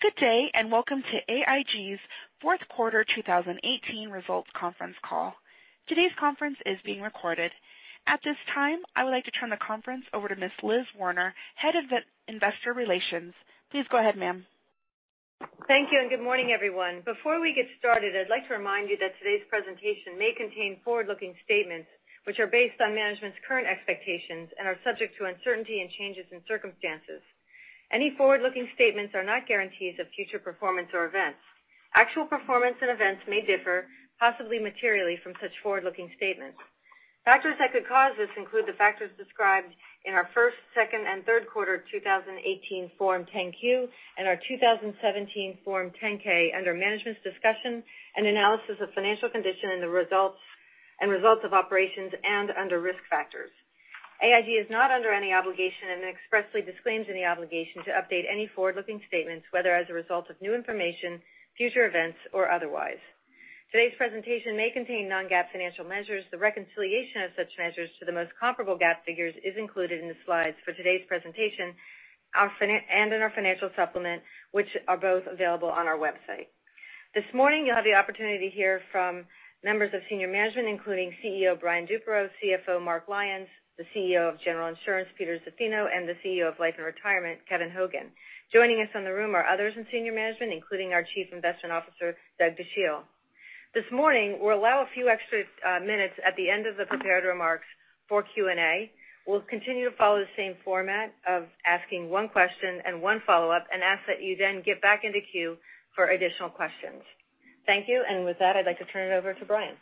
Good day, and welcome to AIG's fourth quarter 2018 results conference call. Today's conference is being recorded. At this time, I would like to turn the conference over to Ms. Liz Werner, Head of Investor Relations. Please go ahead, ma'am. Thank you. Good morning, everyone. Before we get started, I'd like to remind you that today's presentation may contain forward-looking statements which are based on management's current expectations and are subject to uncertainty and changes in circumstances. Any forward-looking statements are not guarantees of future performance or events. Actual performance and events may differ, possibly materially, from such forward-looking statements. Factors that could cause this include the factors described in our first, second, and third quarter 2018 Form 10-Q and our 2017 Form 10-K under Management's Discussion and Analysis of Financial Condition and Results of Operations and under Risk Factors. AIG is not under any obligation and expressly disclaims any obligation to update any forward-looking statements, whether as a result of new information, future events, or otherwise. Today's presentation may contain non-GAAP financial measures. The reconciliation of such measures to the most comparable GAAP figures is included in the slides for today's presentation and in our financial supplement, which are both available on our website. This morning, you'll have the opportunity to hear from members of senior management, including CEO Brian Duperreault, CFO Mark Lyons, the CEO of General Insurance, Peter Zaffino, and the CEO of Life & Retirement, Kevin Hogan. Joining us in the room are others in senior management, including our Chief Investment Officer, Douglas Dachille. This morning, we'll allow a few extra minutes at the end of the prepared remarks for Q&A. We'll continue to follow the same format of asking one question and one follow-up and ask that you then get back into queue for additional questions. Thank you. With that, I'd like to turn it over to Brian.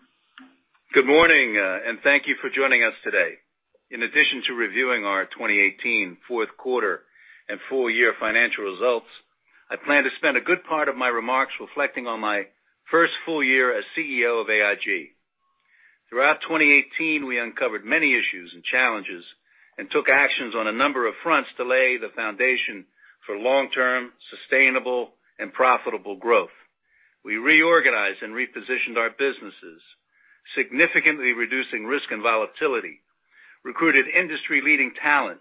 Good morning. Thank you for joining us today. In addition to reviewing our 2018 fourth quarter and full-year financial results, I plan to spend a good part of my remarks reflecting on my first full year as CEO of AIG. Throughout 2018, we uncovered many issues and challenges and took actions on a number of fronts to lay the foundation for long-term, sustainable, and profitable growth. We reorganized and repositioned our businesses, significantly reducing risk and volatility, recruited industry-leading talent,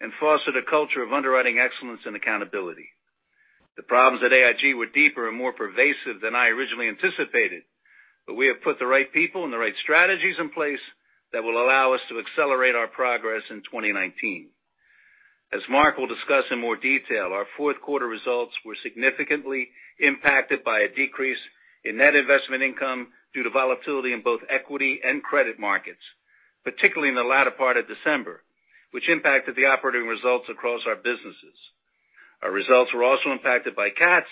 and fostered a culture of underwriting excellence and accountability. The problems at AIG were deeper and more pervasive than I originally anticipated, but we have put the right people and the right strategies in place that will allow us to accelerate our progress in 2019. As Mark will discuss in more detail, our fourth quarter results were significantly impacted by a decrease in net investment income due to volatility in both equity and credit markets, particularly in the latter part of December, which impacted the operating results across our businesses. Our results were also impacted by cats.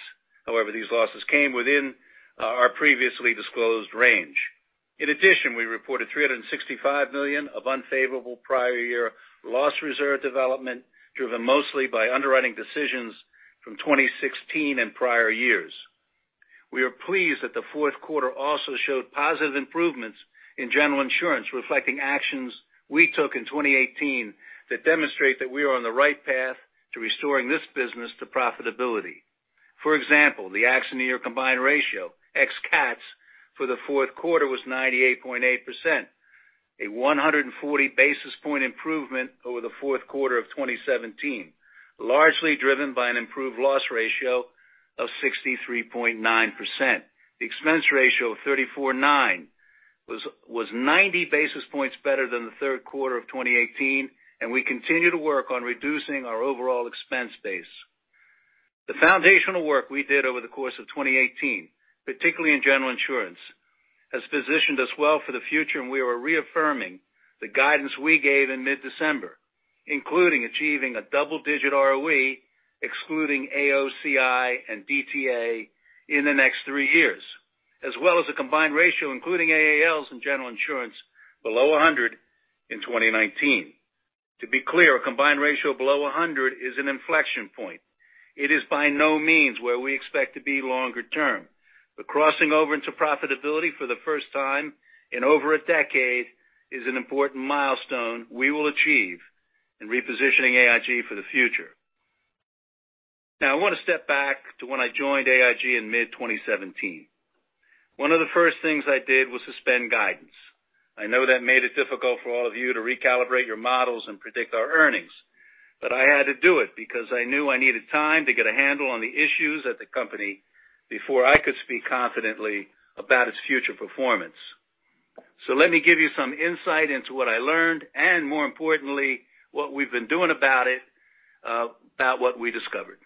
However, these losses came within our previously disclosed range. In addition, we reported $365 million of unfavorable prior year loss reserve development, driven mostly by underwriting decisions from 2016 and prior years. We are pleased that the fourth quarter also showed positive improvements in General Insurance, reflecting actions we took in 2018 that demonstrate that we are on the right path to restoring this business to profitability. For example, the accident year combined ratio, ex cats, for the fourth quarter was 98.8%, a 140 basis point improvement over the fourth quarter of 2017, largely driven by an improved loss ratio of 63.9%. The expense ratio of 34.9% was 90 basis points better than the third quarter of 2018, and we continue to work on reducing our overall expense base. The foundational work we did over the course of 2018, particularly in General Insurance, has positioned us well for the future, and we are reaffirming the guidance we gave in mid-December, including achieving a double-digit ROE, excluding AOCI and DTA in the next three years, as well as a combined ratio, including AALs in General Insurance below 100 in 2019. To be clear, a combined ratio below 100 is an inflection point. It is by no means where we expect to be longer term, but crossing over into profitability for the first time in over a decade is an important milestone we will achieve in repositioning AIG for the future. Now, I want to step back to when I joined AIG in mid-2017. One of the first things I did was suspend guidance. I know that made it difficult for all of you to recalibrate your models and predict our earnings, but I had to do it because I knew I needed time to get a handle on the issues at the company before I could speak confidently about its future performance. So let me give you some insight into what I learned and, more importantly, what we've been doing about it, about what we discovered.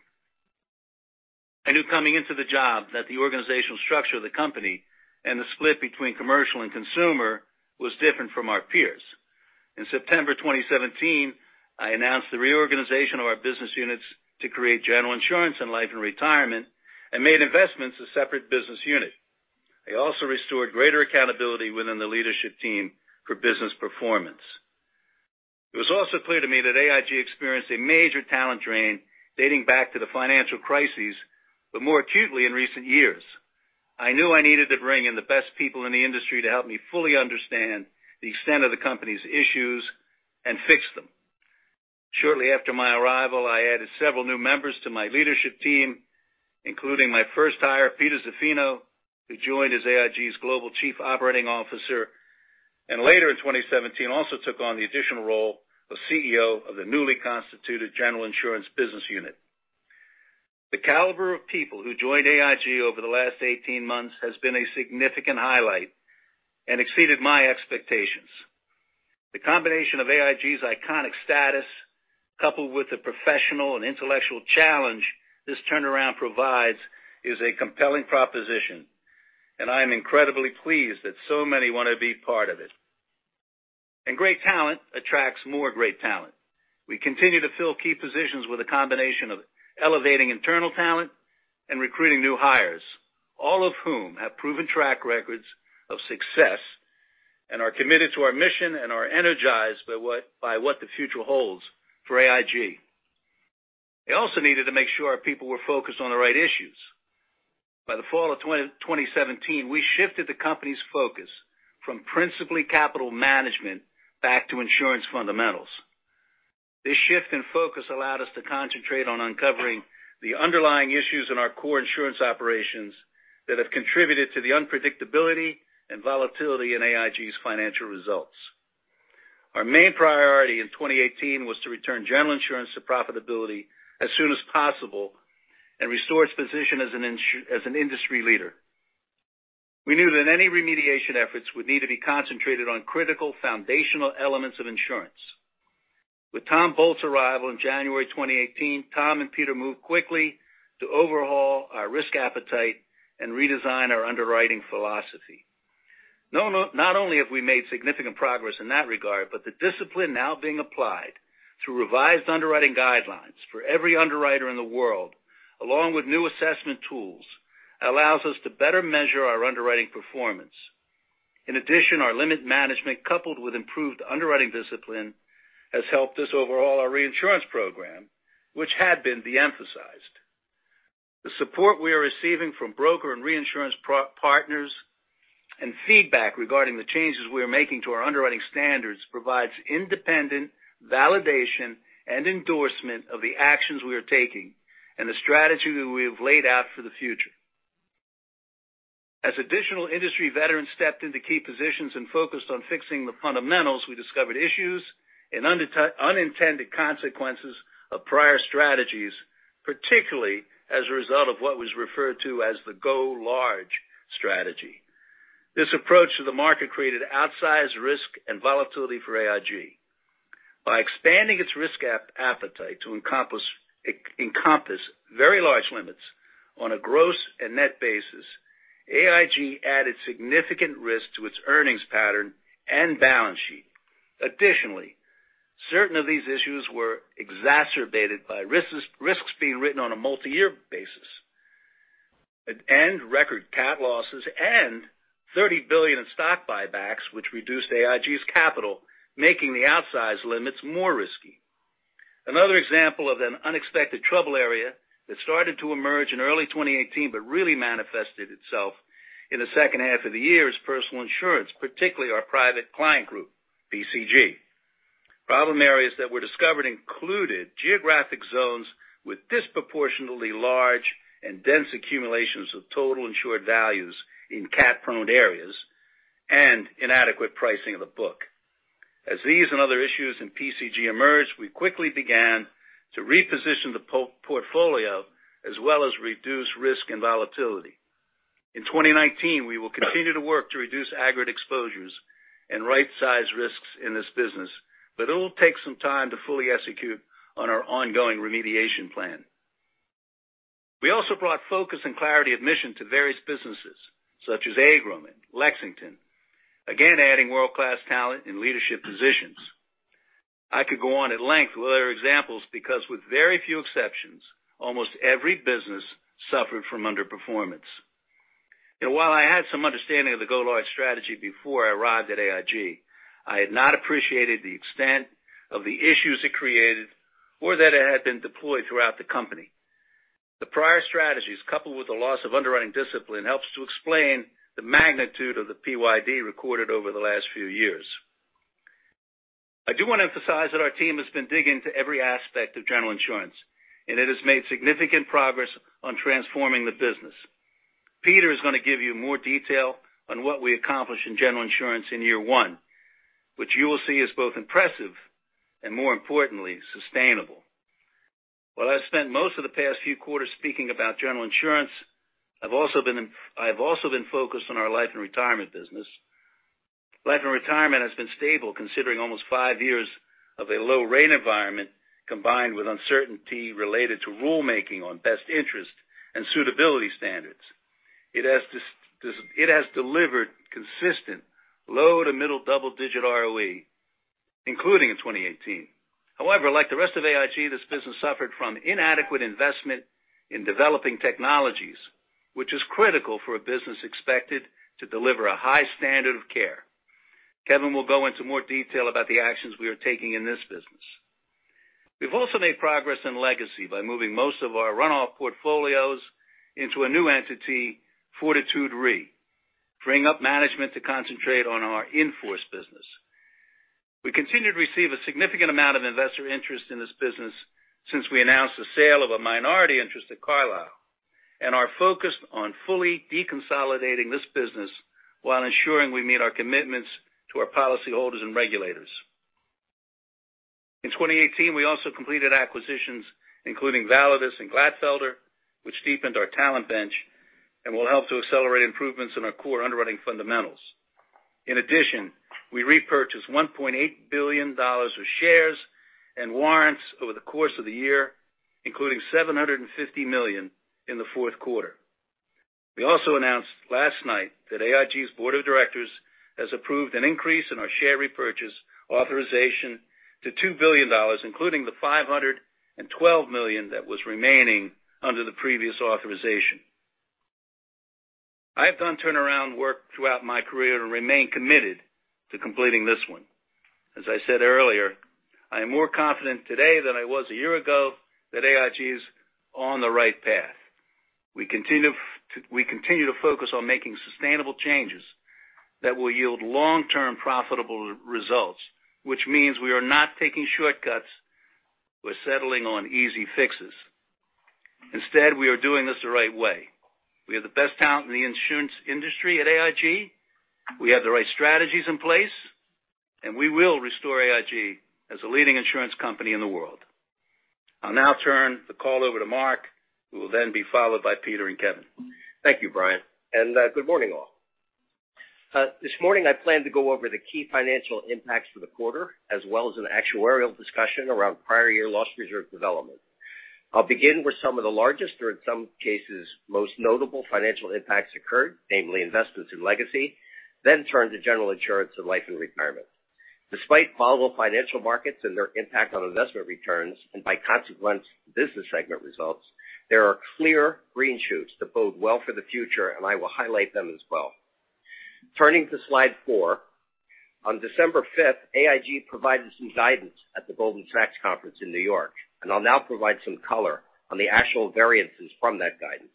I knew coming into the job that the organizational structure of the company and the split between commercial and consumer was different from our peers. In September 2017, I announced the reorganization of our business units to create General Insurance and Life & Retirement and made investments a separate business unit. I also restored greater accountability within the leadership team for business performance. It was also clear to me that AIG experienced a major talent drain dating back to the financial crisis, but more acutely in recent years. I knew I needed to bring in the best people in the industry to help me fully understand the extent of the company's issues and fix them. Shortly after my arrival, I added several new members to my leadership team, including my first hire, Peter Zaffino, who joined as AIG's Global Chief Operating Officer. Later in 2017, also took on the additional role of CEO of the newly constituted General Insurance business unit. The caliber of people who joined AIG over the last 18 months has been a significant highlight and exceeded my expectations. The combination of AIG's iconic status, coupled with the professional and intellectual challenge this turnaround provides, is a compelling proposition, and I am incredibly pleased that so many want to be part of it. Great talent attracts more great talent. We continue to fill key positions with a combination of elevating internal talent and recruiting new hires, all of whom have proven track records of success and are committed to our mission and are energized by what the future holds for AIG. We also needed to make sure our people were focused on the right issues. By the fall of 2017, we shifted the company's focus from principally capital management back to insurance fundamentals. This shift in focus allowed us to concentrate on uncovering the underlying issues in our core insurance operations that have contributed to the unpredictability and volatility in AIG's financial results. Our main priority in 2018 was to return General Insurance to profitability as soon as possible and restore its position as an industry leader. We knew that any remediation efforts would need to be concentrated on critical foundational elements of insurance. With Tom Bolt's arrival in January 2018, Tom and Peter moved quickly to overhaul our risk appetite and redesign our underwriting philosophy. Not only have we made significant progress in that regard, but the discipline now being applied through revised underwriting guidelines for every underwriter in the world, along with new assessment tools, allows us to better measure our underwriting performance. In addition, our limit management, coupled with improved underwriting discipline, has helped us overhaul our reinsurance program, which had been de-emphasized. The support we are receiving from broker and reinsurance partners and feedback regarding the changes we are making to our underwriting standards provides independent validation and endorsement of the actions we are taking and the strategy that we have laid out for the future. As additional industry veterans stepped into key positions and focused on fixing the fundamentals, we discovered issues and unintended consequences of prior strategies, particularly as a result of what was referred to as the "go large" strategy. This approach to the market created outsized risk and volatility for AIG. By expanding its risk appetite to encompass very large limits on a gross and net basis, AIG added significant risk to its earnings pattern and balance sheet. Additionally, certain of these issues were exacerbated by risks being written on a multi-year basis, and record cat losses, and $30 billion in stock buybacks, which reduced AIG's capital, making the outsized limits more risky. Another example of an unexpected trouble area that started to emerge in early 2018, but really manifested itself in the second half of the year is personal insurance, particularly our Private Client Group, PCG. Problem areas that were discovered included geographic zones with disproportionately large and dense accumulations of total insured values in cat-prone areas and inadequate pricing of the book. As these and other issues in PCG emerged, we quickly began to reposition the portfolio as well as reduce risk and volatility. In 2019, we will continue to work to reduce aggregate exposures and rightsize risks in this business, but it will take some time to fully execute on our ongoing remediation plan. We also brought focus and clarity of mission to various businesses such as AIG and Lexington, again adding world-class talent in leadership positions. I could go on at length with other examples because with very few exceptions, almost every business suffered from underperformance. While I had some understanding of the go large strategy before I arrived at AIG, I had not appreciated the extent of the issues it created or that it had been deployed throughout the company. The prior strategies, coupled with the loss of underwriting discipline, helps to explain the magnitude of the PYD recorded over the last few years. I do want to emphasize that our team has been digging into every aspect of General Insurance, and it has made significant progress on transforming the business. Peter is going to give you more detail on what we accomplished in General Insurance in year one, which you will see is both impressive and, more importantly, sustainable. While I've spent most of the past few quarters speaking about General Insurance, I've also been focused on our Life & Retirement business. Life & Retirement has been stable considering almost five years of a low rate environment, combined with uncertainty related to rulemaking on best interest and suitability standards. It has delivered consistent low to middle double-digit ROE, including in 2018. However, like the rest of AIG, this business suffered from inadequate investment in developing technologies, which is critical for a business expected to deliver a high standard of care. Kevin will go into more detail about the actions we are taking in this business. We've also made progress in legacy by moving most of our runoff portfolios into a new entity, Fortitude Re, freeing up management to concentrate on our in-force business. We continue to receive a significant amount of investor interest in this business since we announced the sale of a minority interest at Carlyle and are focused on fully deconsolidating this business while ensuring we meet our commitments to our policyholders and regulators. In 2018, we also completed acquisitions, including Validus and Glatfelter, which deepened our talent bench and will help to accelerate improvements in our core underwriting fundamentals. In addition, we repurchased $1.8 billion of shares and warrants over the course of the year, including $750 million in the fourth quarter. We also announced last night that AIG's board of directors has approved an increase in our share repurchase authorization to $2 billion, including the $512 million that was remaining under the previous authorization. I have done turnaround work throughout my career and remain committed to completing this one. As I said earlier, I am more confident today than I was a year ago that AIG is on the right path. We continue to focus on making sustainable changes that will yield long-term profitable results, which means we are not taking shortcuts or settling on easy fixes. Instead, we are doing this the right way. We have the best talent in the insurance industry at AIG. We have the right strategies in place, and we will restore AIG as a leading insurance company in the world. I'll now turn the call over to Mark, who will then be followed by Peter and Kevin. Thank you, Brian, and good morning, all. This morning I plan to go over the key financial impacts for the quarter, as well as an actuarial discussion around prior year loss reserve development. I'll begin with some of the largest, or in some cases, most notable financial impacts occurred, namely Investments and Legacy, then turn to General Insurance and Life & Retirement. Despite volatile financial markets and their impact on investment returns, and by consequence, business segment results, there are clear green shoots that bode well for the future, and I will highlight them as well. Turning to slide four. On December fifth, AIG provided some guidance at the Goldman Sachs Conference in New York, I'll now provide some color on the actual variances from that guidance.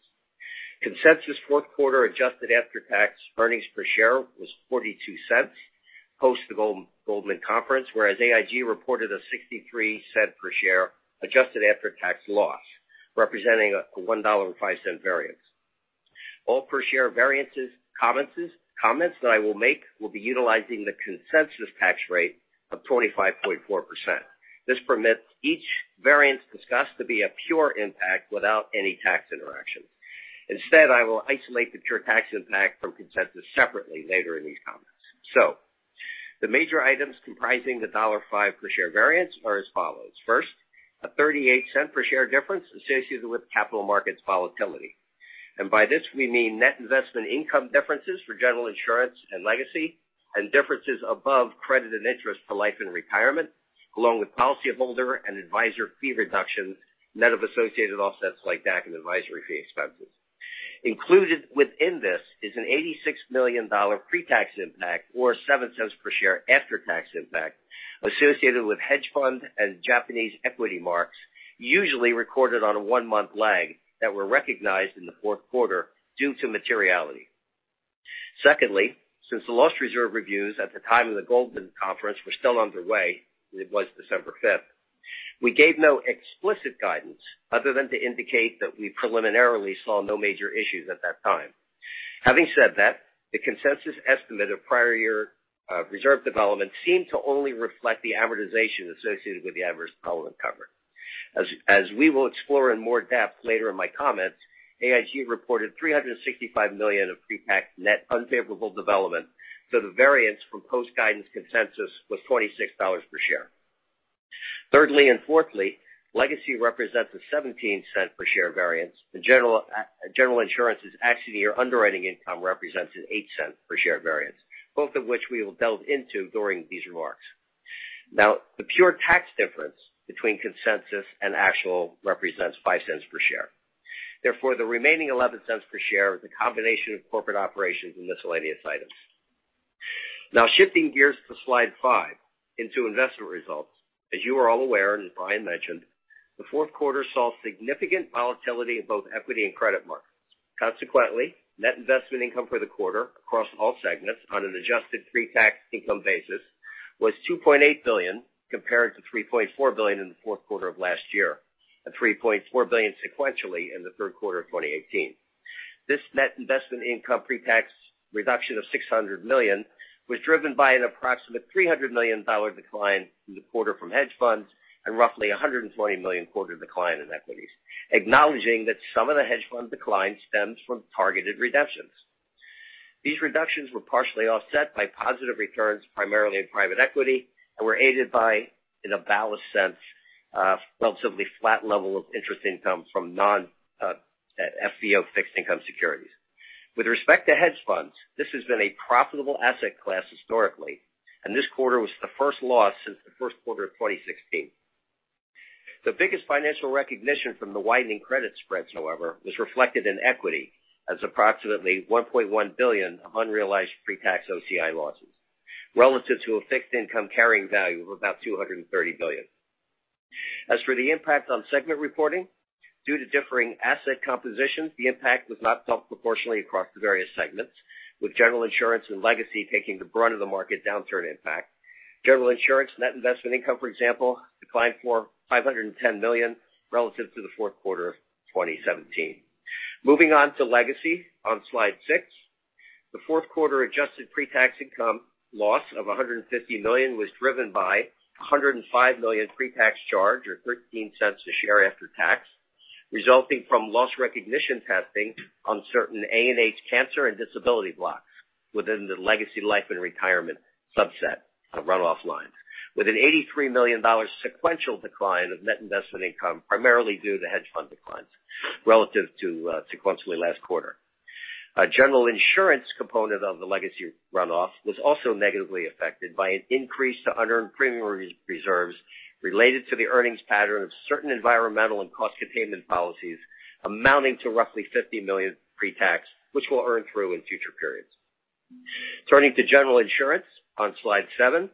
Consensus fourth quarter adjusted after-tax earnings per share was $0.42 post the Goldman Conference, whereas AIG reported a $0.63 per share adjusted after-tax loss, representing a $1.05 variance. All per share variances comments that I will make will be utilizing the consensus tax rate of 25.4%. This permits each variance discussed to be a pure impact without any tax interaction. Instead, I will isolate the pure tax impact from consensus separately later in these comments. The major items comprising the $1.05 per share variance are as follows. First, a $0.38 per share difference associated with capital markets volatility. By this, we mean net investment income differences for General Insurance and Legacy and differences above credited interest for Life & Retirement, along with policyholder and advisor fee reductions, net of associated offsets like DAC and advisory fee expenses. Included within this is an $86 million pre-tax impact or $0.07 per share after-tax impact associated with hedge fund and Japanese equity marks usually recorded on a one-month lag that were recognized in the fourth quarter due to materiality. Secondly, since the loss reserve reviews at the time of the Goldman conference were still underway, it was December fifth, we gave no explicit guidance other than to indicate that we preliminarily saw no major issues at that time. Having said that, the consensus estimate of prior year reserve development seemed to only reflect the amortization associated with the adverse development cover. As we will explore in more depth later in my comments, AIG reported $365 million of pre-tax net unfavorable development, so the variance from post-guidance consensus was $26 per share. Thirdly, and fourthly, legacy represents a $0.17 per share variance. The General Insurance's accident year underwriting income represents an $0.08 per share variance, both of which we will delve into during these remarks. The pure tax difference between consensus and actual represents $0.05 per share. The remaining $0.11 per share is a combination of corporate operations and miscellaneous items. Shifting gears to slide five into investment results. As you are all aware, and as Brian mentioned, the fourth quarter saw significant volatility in both equity and credit markets. Net investment income for the quarter across all segments on an adjusted pre-tax income basis was $2.8 billion, compared to $3.4 billion in the fourth quarter of last year and $3.4 billion sequentially in the third quarter of 2018. This net investment income pre-tax reduction of $600 million was driven by an approximate $300 million decline in the quarter from hedge funds and roughly $120 million quarter decline in equities, acknowledging that some of the hedge fund decline stems from targeted redemptions. These reductions were partially offset by positive returns, primarily in private equity, and were aided by, in a balanced sense, a relatively flat level of interest income from non-FVO fixed income securities. With respect to hedge funds, this has been a profitable asset class historically, and this quarter was the first loss since the first quarter of 2016. The biggest financial recognition from the widening credit spreads, however, was reflected in equity as approximately $1.1 billion of unrealized pre-tax OCI losses relative to a fixed income carrying value of about $230 billion. As for the impact on segment reporting, due to differing asset compositions, the impact was not felt proportionally across the various segments, with General Insurance and Legacy taking the brunt of the market downturn impact. General Insurance net investment income, for example, declined for $510 million relative to the fourth quarter of 2017. Moving on to Legacy on slide six, the fourth quarter adjusted pre-tax income loss of $150 million was driven by $105 million pre-tax charge, or $0.13 a share after tax, resulting from loss recognition testing on certain A&H cancer and disability blocks within the Legacy Life & Retirement subset of runoff lines, with an $83 million sequential decline of net investment income, primarily due to hedge fund declines relative to sequentially last quarter. A General Insurance component of the Legacy runoff was also negatively affected by an increase to unearned premium reserves related to the earnings pattern of certain environmental and cost containment policies amounting to roughly $50 million pre-tax, which we'll earn through in future periods. Turning to General Insurance on slide seven,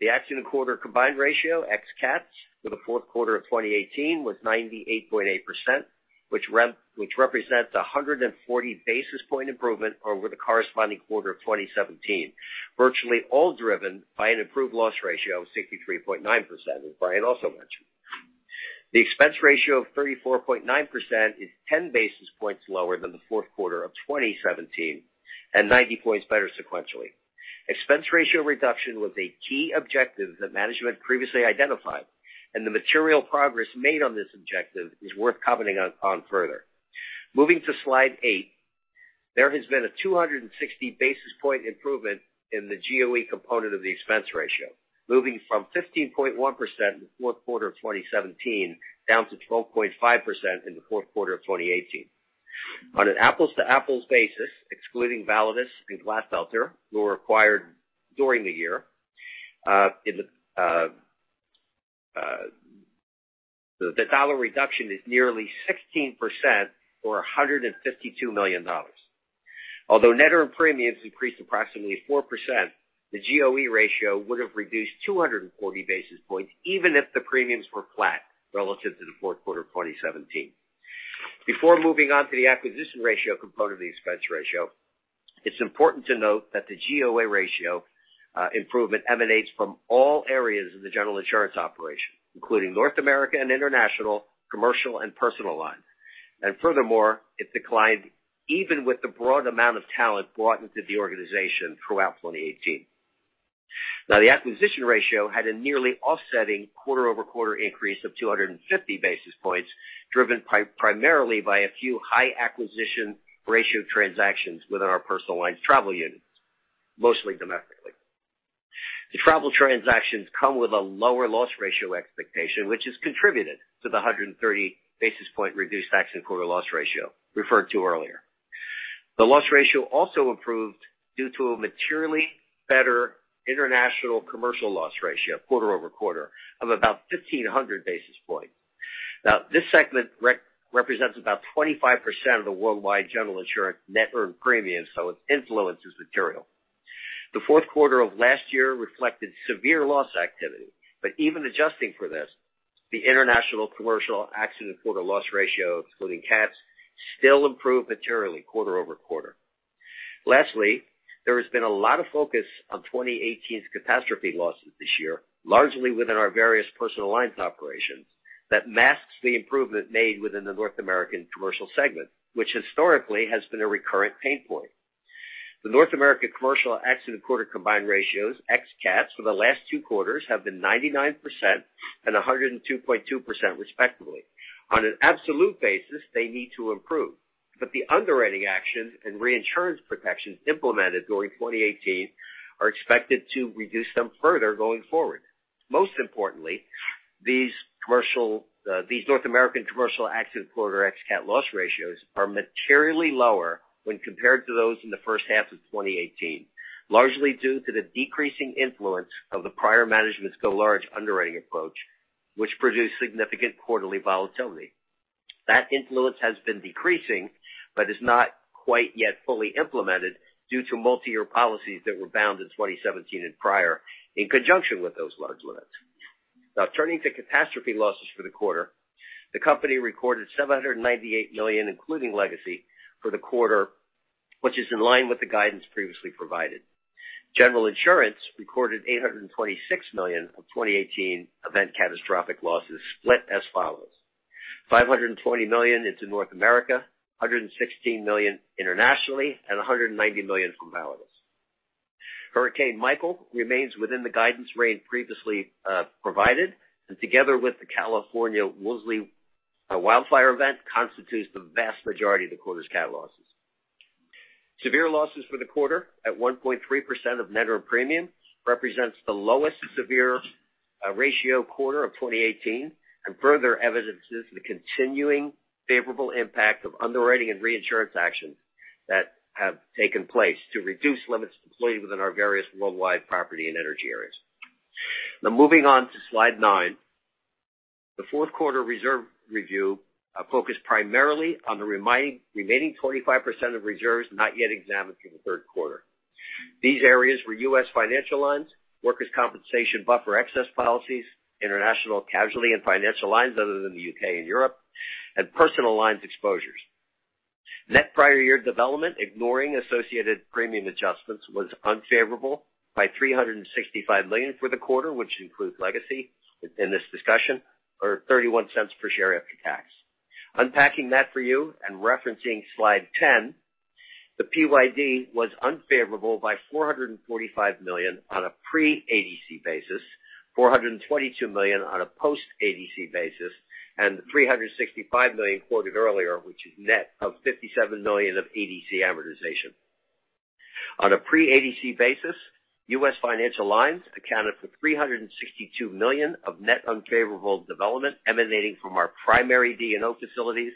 the accident quarter combined ratio ex cats for the fourth quarter of 2018 was 98.8%, which represents 140 basis point improvement over the corresponding quarter of 2017, virtually all driven by an improved loss ratio of 63.9%, as Brian also mentioned. The expense ratio of 34.9% is 10 basis points lower than the fourth quarter of 2017 and 90 points better sequentially. Expense ratio reduction was a key objective that management previously identified, the material progress made on this objective is worth commenting on further. Moving to slide eight, there has been a 260 basis points improvement in the GOE component of the expense ratio, moving from 15.1% in the fourth quarter of 2017 down to 12.5% in the fourth quarter of 2018. On an apples-to-apples basis, excluding Validus and Glatfelter, who were acquired during the year, the dollar reduction is nearly 16%, or $152 million. Although net earned premiums increased approximately 4%, the GOE ratio would have reduced 240 basis points even if the premiums were flat relative to the fourth quarter of 2017. Before moving on to the acquisition ratio component of the expense ratio, it's important to note that the GOE ratio improvement emanates from all areas of the General Insurance operation, including North America and International, Commercial and Personal lines. Furthermore, it declined even with the broad amount of talent brought into the organization throughout 2018. The acquisition ratio had a nearly offsetting quarter-over-quarter increase of 250 basis points, driven primarily by a few high acquisition ratio transactions within our Personal lines travel units, mostly domestically. The travel transactions come with a lower loss ratio expectation, which has contributed to the 130 basis points reduced accident quarter loss ratio referred to earlier. The loss ratio also improved due to a materially better international commercial loss ratio quarter-over-quarter of about 1,500 basis points. This segment represents about 25% of the worldwide General Insurance net earned premium, so its influence is material. The fourth quarter of last year reflected severe loss activity, but even adjusting for this, the international commercial accident quarter loss ratio, excluding cats, still improved materially quarter-over-quarter. Lastly, there has been a lot of focus on 2018's catastrophe losses this year, largely within our various Personal lines operations, that masks the improvement made within the North American Commercial segment, which historically has been a recurrent pain point. The North American Commercial accident quarter combined ratios, ex cats, for the last two quarters have been 99% and 102.2% respectively. On an absolute basis, they need to improve, but the underwriting actions and reinsurance protections implemented during 2018 are expected to reduce them further going forward. Most importantly, these North American Commercial accident quarter ex cat loss ratios are materially lower when compared to those in the first half of 2018, largely due to the decreasing influence of the prior management's go large underwriting approach, which produced significant quarterly volatility. That influence has been decreasing but is not quite yet fully implemented due to multi-year policies that were bound in 2017 and prior in conjunction with those large limits. Turning to catastrophe losses for the quarter. The company recorded $798 million, including Legacy, for the quarter, which is in line with the guidance previously provided. General Insurance recorded $826 million of 2018 event catastrophic losses split as follows: $520 million into North America, $116 million internationally, and $190 million from Validus. Hurricane Michael remains within the guidance range previously provided, and together with the California Woolsey Fire event, constitutes the vast majority of the quarter's cat losses. Severe losses for the quarter at 1.3% of net earned premium represents the lowest severe ratio quarter of 2018 and further evidences the continuing favorable impact of underwriting and reinsurance actions that have taken place to reduce limits deployed within our various worldwide property and energy areas. Moving on to slide nine, the fourth quarter reserve review focused primarily on the remaining 25% of reserves not yet examined through the third quarter. These areas were U.S. financial lines, workers' compensation buffer excess policies, international casualty and financial lines other than the U.K. and Europe, and personal lines exposures. Net prior year development, ignoring associated premium adjustments, was unfavorable by $365 million for the quarter, which includes legacy in this discussion, or $0.31 per share after tax. Unpacking that for you and referencing slide 10, the PYD was unfavorable by $445 million on a pre-ADC basis, $422 million on a post-ADC basis, and the $365 million quoted earlier, which is net of $57 million of ADC amortization. On a pre-ADC basis, U.S. financial lines accounted for $362 million of net unfavorable development emanating from our primary D&O facilities,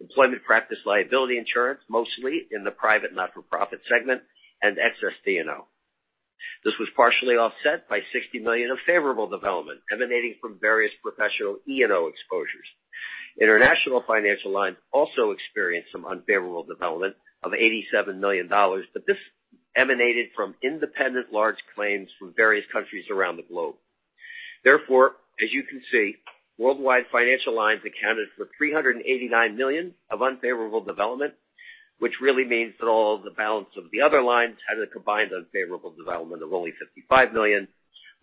employment practice liability insurance, mostly in the private not-for-profit segment, and excess D&O. This was partially offset by $60 million of favorable development emanating from various professional E&O exposures. International financial lines also experienced some unfavorable development of $87 million. This emanated from independent large claims from various countries around the globe. As you can see, worldwide financial lines accounted for $389 million of unfavorable development, which really means that all the balance of the other lines had a combined unfavorable development of only $55 million,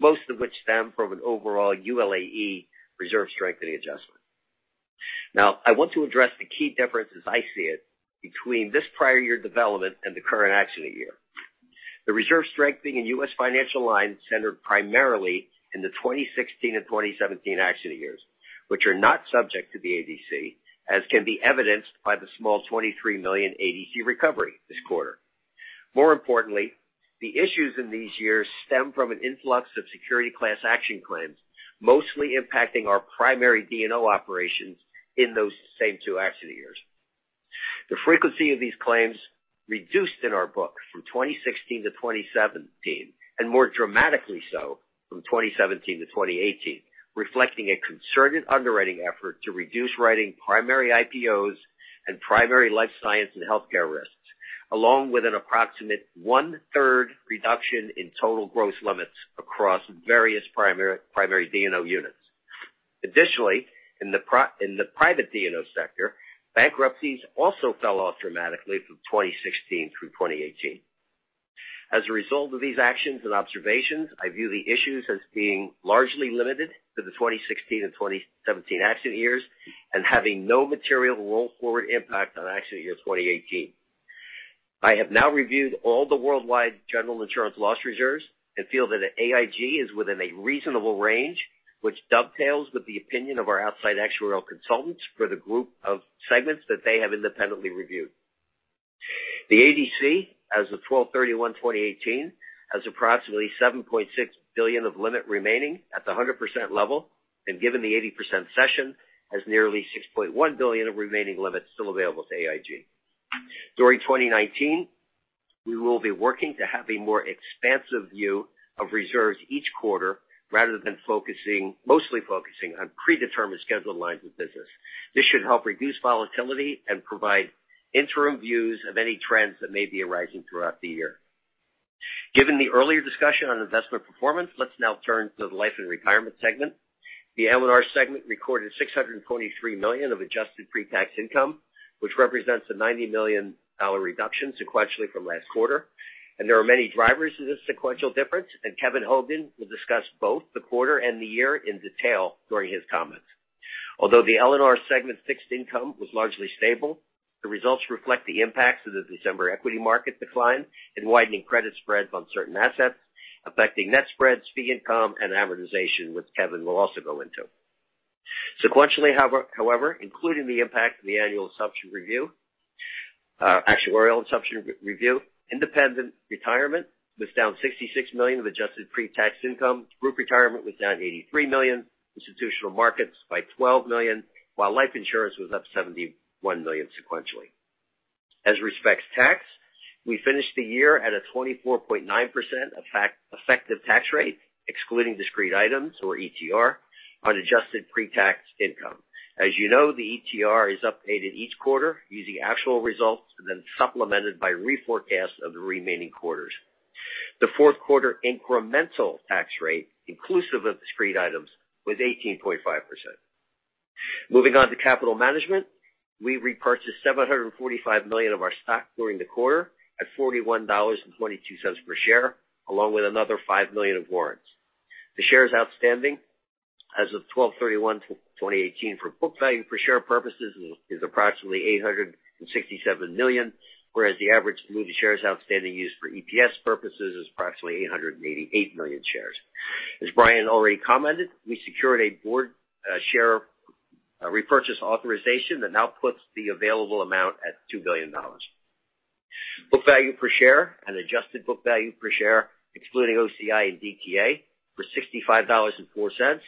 most of which stem from an overall ULAE reserve strengthening adjustment. I want to address the key differences I see it between this prior year development and the current accident year. The reserve strengthening in U.S. financial lines centered primarily in the 2016 and 2017 accident years, which are not subject to the ADC, as can be evidenced by the small $23 million ADC recovery this quarter. More importantly, the issues in these years stem from an influx of security class action claims, mostly impacting our primary D&O operations in those same two accident years. The frequency of these claims reduced in our book from 2016 to 2017, and more dramatically so from 2017 to 2018, reflecting a concerted underwriting effort to reduce writing primary IPOs and primary life science and healthcare risks, along with an approximate one-third reduction in total gross limits across various primary D&O units. Additionally, in the private D&O sector, bankruptcies also fell off dramatically from 2016 through 2018. As a result of these actions and observations, I view the issues as being largely limited to the 2016 and 2017 accident years and having no material roll-forward impact on accident year 2018. I have now reviewed all the worldwide General Insurance loss reserves and feel that AIG is within a reasonable range, which dovetails with the opinion of our outside actuarial consultants for the group of segments that they have independently reviewed. The ADC, as of 12/31/2018, has approximately $7.6 billion of limit remaining at the 100% level, and given the 80% session, has nearly $6.1 billion of remaining limits still available to AIG. During 2019, we will be working to have a more expansive view of reserves each quarter rather than mostly focusing on predetermined scheduled lines of business. This should help reduce volatility and provide interim views of any trends that may be arising throughout the year. Given the earlier discussion on investment performance, let's now turn to the Life & Retirement segment. The L&R segment recorded $623 million of adjusted pre-tax income, which represents a $90 million reduction sequentially from last quarter. There are many drivers to this sequential difference, and Kevin Hogan will discuss both the quarter and the year in detail during his comments. Although the L&R segment fixed income was largely stable, the results reflect the impacts of the December equity market decline and widening credit spreads on certain assets, affecting net spreads, fee income, and amortization, which Kevin will also go into. Sequentially, however, including the impact of the annual assumption review, actuarial assumption review, independent retirement was down $66 million of adjusted pre-tax income. Group retirement was down $83 million, institutional markets by $12 million, while life insurance was up $71 million sequentially. As respects tax, we finished the year at a 24.9% effective tax rate, excluding discrete items or ETR on adjusted pre-tax income. As you know, the ETR is updated each quarter using actual results and then supplemented by reforecasts of the remaining quarters. The fourth quarter incremental tax rate, inclusive of discrete items, was 18.5%. Moving on to capital management. We repurchased $745 million of our stock during the quarter at $41.22 per share, along with another $5 million of warrants. The shares outstanding as of 2018 for book value per share purposes is approximately $867 million, whereas the average fully diluted shares outstanding used for EPS purposes is approximately 888 million shares. As Brian already commented, we secured a board share repurchase authorization that now puts the available amount at $2 billion. Book value per share and adjusted book value per share, excluding OCI and DTA, were $65.04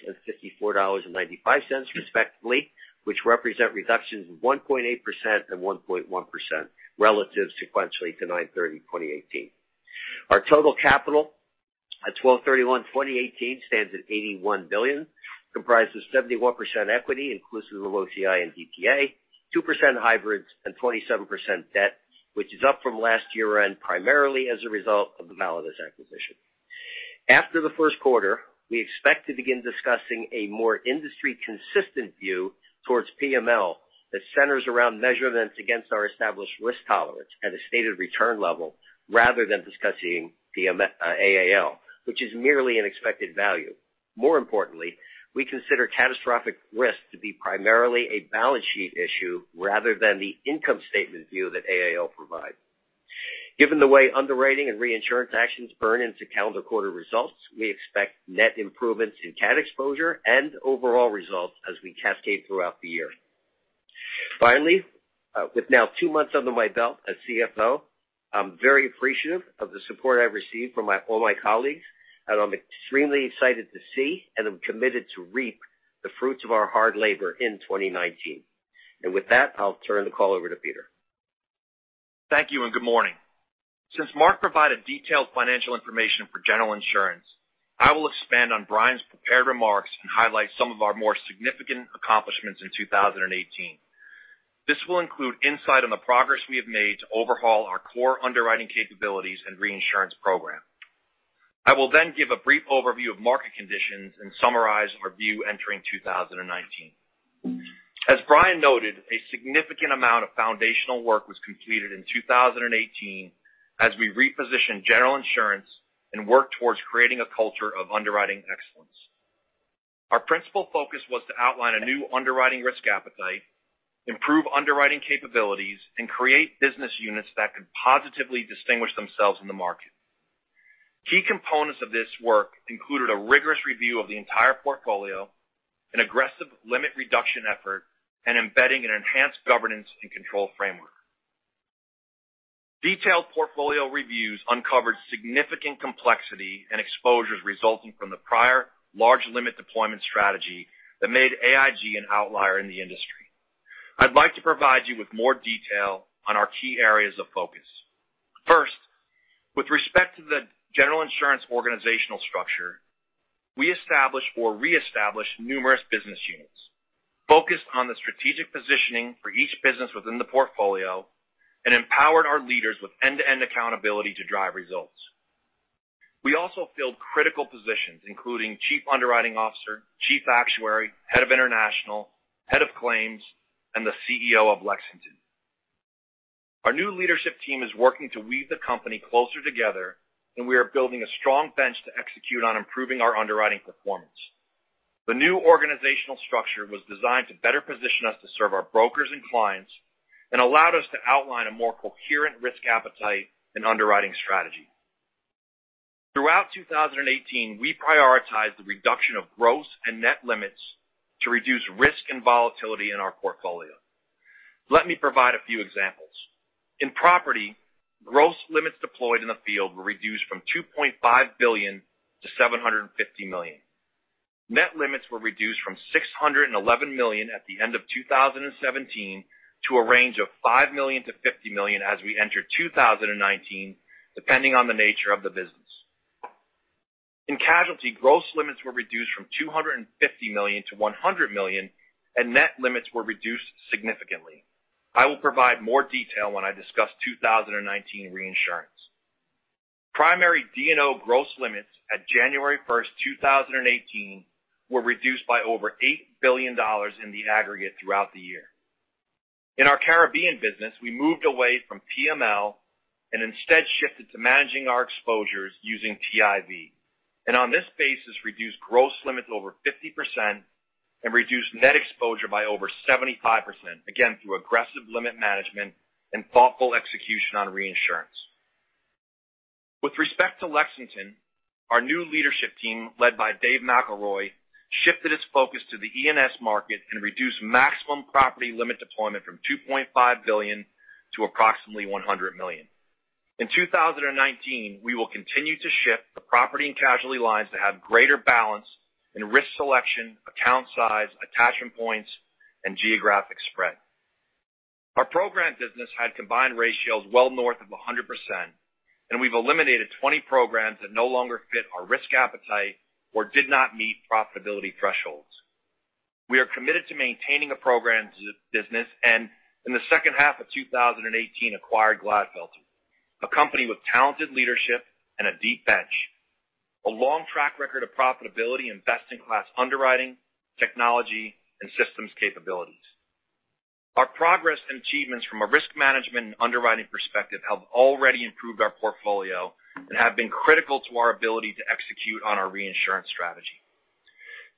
and $54.95 respectively, which represent reductions of 1.8% and 1.1% relative sequentially to 9/30/2018. Our total capital At 12/31/2018 stands at $81 billion, comprised of 71% equity, inclusive of OCI and DTA, 2% hybrids, and 27% debt, which is up from last year-end primarily as a result of the Validus acquisition. After the first quarter, we expect to begin discussing a more industry-consistent view towards PML that centers around measurements against our established risk tolerance at a stated return level, rather than discussing the AAL, which is merely an expected value. More importantly, we consider catastrophic risk to be primarily a balance sheet issue rather than the income statement view that AAL provides. Given the way underwriting and reinsurance actions burn into calendar quarter results, we expect net improvements in cat exposure and overall results as we cascade throughout the year. Finally, with now two months under my belt as CFO, I'm very appreciative of the support I've received from all my colleagues, and I'm extremely excited to see and I'm committed to reap the fruits of our hard labor in 2019. With that, I'll turn the call over to Peter. Thank you, and good morning. Since Mark provided detailed financial information for General Insurance, I will expand on Brian's prepared remarks and highlight some of our more significant accomplishments in 2018. This will include insight on the progress we have made to overhaul our core underwriting capabilities and reinsurance program. I will give a brief overview of market conditions and summarize our view entering 2019. As Brian noted, a significant amount of foundational work was completed in 2018 as we repositioned General Insurance and worked towards creating a culture of underwriting excellence. Our principal focus was to outline a new underwriting risk appetite, improve underwriting capabilities, and create business units that could positively distinguish themselves in the market. Key components of this work included a rigorous review of the entire portfolio, an aggressive limit reduction effort, and embedding an enhanced governance and control framework. Detailed portfolio reviews uncovered significant complexity and exposures resulting from the prior large limit deployment strategy that made AIG an outlier in the industry. I'd like to provide you with more detail on our key areas of focus. First, with respect to the General Insurance organizational structure, we established or reestablished numerous business units, focused on the strategic positioning for each business within the portfolio, and empowered our leaders with end-to-end accountability to drive results. We also filled critical positions, including Chief Underwriting Officer, Chief Actuary, Head of International, Head of Claims, and the CEO of Lexington. Our new leadership team is working to weave the company closer together, and we are building a strong bench to execute on improving our underwriting performance. The new organizational structure was designed to better position us to serve our brokers and clients and allowed us to outline a more coherent risk appetite and underwriting strategy. Throughout 2018, we prioritized the reduction of gross and net limits to reduce risk and volatility in our portfolio. Let me provide a few examples. In property, gross limits deployed in the field were reduced from $2.5 billion to $750 million. Net limits were reduced from $611 million at the end of 2017 to a range of $5 million-$50 million as we enter 2019, depending on the nature of the business. In casualty, gross limits were reduced from $250 million to $100 million, and net limits were reduced significantly. I will provide more detail when I discuss 2019 reinsurance. Primary D&O gross limits at January 1st, 2018, were reduced by over $8 billion in the aggregate throughout the year. In our Caribbean business, we moved away from PML and instead shifted to managing our exposures using TIV, and on this basis, reduced gross limits over 50% and reduced net exposure by over 75%, again, through aggressive limit management and thoughtful execution on reinsurance. With respect to Lexington, our new leadership team, led by David McElroy, shifted its focus to the E&S market and reduced maximum property limit deployment from $2.5 billion to approximately $100 million. In 2019, we will continue to shift the property and casualty lines to have greater balance in risk selection, account size, attachment points, and geographic spread. Our program business had combined ratios well north of 100%, and we've eliminated 20 programs that no longer fit our risk appetite or did not meet profitability thresholds. We are committed to maintaining a programs business and, in the second half of 2018, acquired Glatfelter, a company with talented leadership and a deep bench, a long track record of profitability, and best-in-class underwriting, technology, and systems capabilities. Our progress and achievements from a risk management and underwriting perspective have already improved our portfolio and have been critical to our ability to execute on our reinsurance strategy.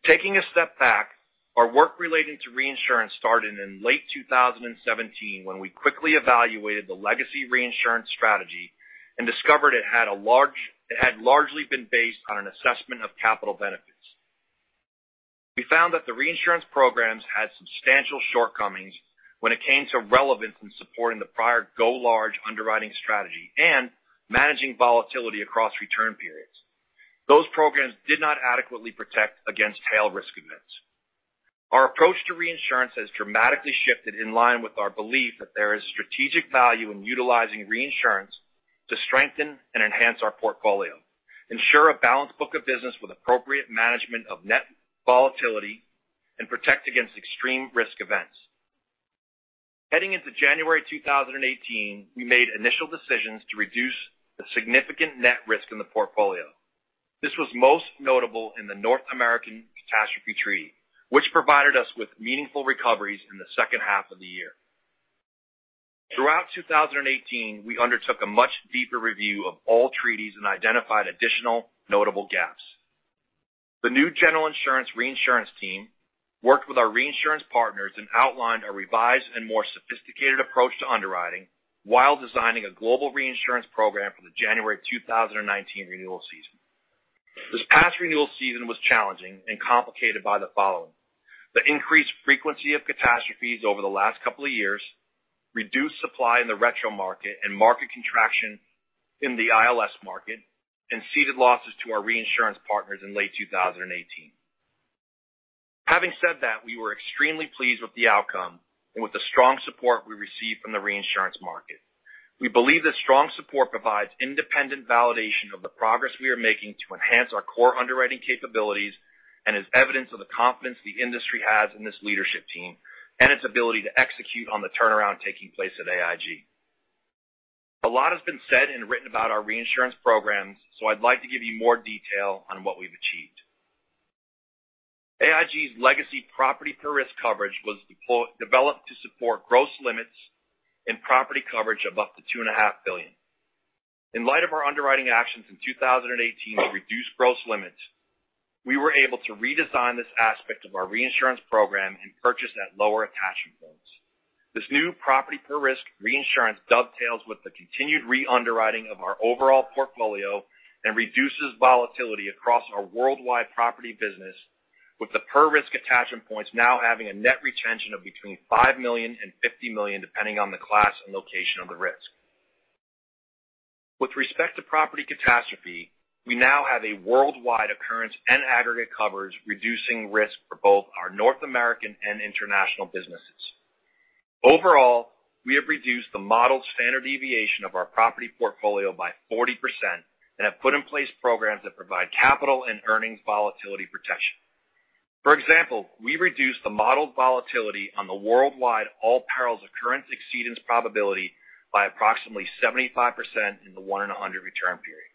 Taking a step back, our work relating to reinsurance started in late 2017 when we quickly evaluated the legacy reinsurance strategy and discovered it had largely been based on an assessment of capital benefits. We found that the reinsurance programs had substantial shortcomings when it came to relevance in supporting the prior go large underwriting strategy and managing volatility across return periods. Those programs did not adequately protect against tail risk events. Our approach to reinsurance has dramatically shifted in line with our belief that there is strategic value in utilizing reinsurance to strengthen and enhance our portfolio, ensure a balanced book of business with appropriate management of net volatility, and protect against extreme risk events. Heading into January 2018, we made initial decisions to reduce the significant net risk in the portfolio. This was most notable in the North American Catastrophe Treaty, which provided us with meaningful recoveries in the second half of the year. Throughout 2018, we undertook a much deeper review of all treaties and identified additional notable gaps. The new General Insurance reinsurance team worked with our reinsurance partners and outlined a revised and more sophisticated approach to underwriting while designing a global reinsurance program for the January 2019 renewal season. This past renewal season was challenging and complicated by the following: The increased frequency of catastrophes over the last couple of years, reduced supply in the retro market, and market contraction in the ILS market, and ceded losses to our reinsurance partners in late 2018. Having said that, we were extremely pleased with the outcome and with the strong support we received from the reinsurance market. We believe that strong support provides independent validation of the progress we are making to enhance our core underwriting capabilities and is evidence of the confidence the industry has in this leadership team and its ability to execute on the turnaround taking place at AIG. A lot has been said and written about our reinsurance programs, I'd like to give you more detail on what we've achieved. AIG's legacy property per risk coverage was developed to support gross limits and property coverage of up to $2.5 billion. In light of our underwriting actions in 2018 to reduce gross limits, we were able to redesign this aspect of our reinsurance program and purchase at lower attachment points. This new property per risk reinsurance dovetails with the continued re-underwriting of our overall portfolio and reduces volatility across our worldwide property business, with the per risk attachment points now having a net retention of between $5 million and $50 million, depending on the class and location of the risk. With respect to property catastrophe, we now have a worldwide occurrence and aggregate coverage, reducing risk for both our North American and international businesses. Overall, we have reduced the modeled standard deviation of our property portfolio by 40% and have put in place programs that provide capital and earnings volatility protection. For example, we reduced the modeled volatility on the worldwide all perils occurrence exceedance probability by approximately 75% in the one in 100 return period.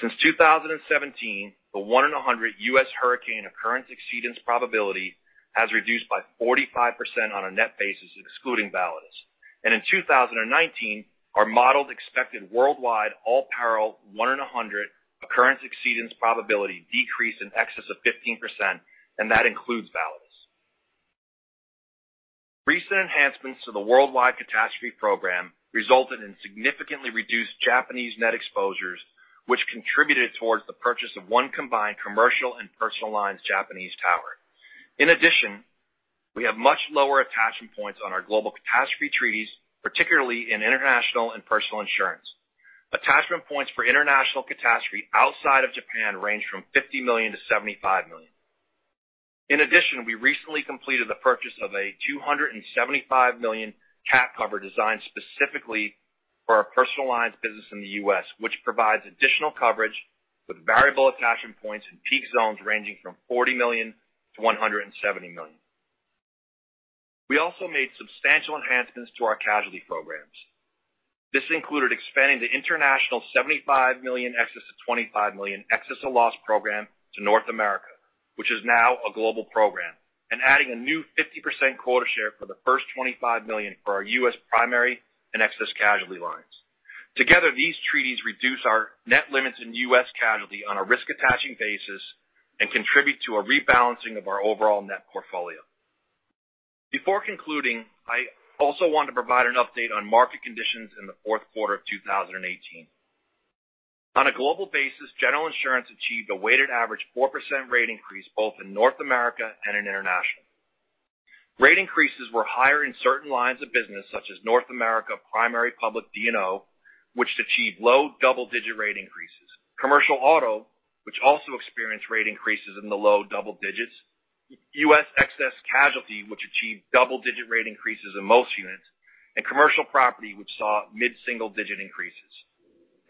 Since 2017, the one in 100 U.S. hurricane occurrence exceedance probability has reduced by 45% on a net basis, excluding Validus. In 2019, our modeled expected worldwide all peril one in 100 occurrence exceedance probability decreased in excess of 15%, and that includes Validus. Recent enhancements to the worldwide catastrophe program resulted in significantly reduced Japanese net exposures, which contributed towards the purchase of one combined commercial and personal lines Japanese tower. In addition, we have much lower attachment points on our global catastrophe treaties, particularly in international and personal insurance. Attachment points for international catastrophe outside of Japan range from $50 million to $75 million. In addition, we recently completed the purchase of a $275 million cat cover designed specifically for our personal lines business in the U.S., which provides additional coverage with variable attachment points and peak zones ranging from $40 million to $170 million. We also made substantial enhancements to our casualty programs. This included expanding the international $75 million excess to $25 million excess loss program to North America, which is now a global program, and adding a new 50% quota share for the first $25 million for our U.S. primary and excess casualty lines. Together, these treaties reduce our net limits in U.S. casualty on a risk attaching basis and contribute to a rebalancing of our overall net portfolio. Before concluding, I also want to provide an update on market conditions in the fourth quarter of 2018. On a global basis, General Insurance achieved a weighted average 4% rate increase both in North America and in international. Rate increases were higher in certain lines of business, such as North America, primary public D&O, which achieved low double-digit rate increases, commercial auto, which also experienced rate increases in the low double digits, U.S. excess casualty, which achieved double-digit rate increases in most units, and commercial property, which saw mid-single-digit increases.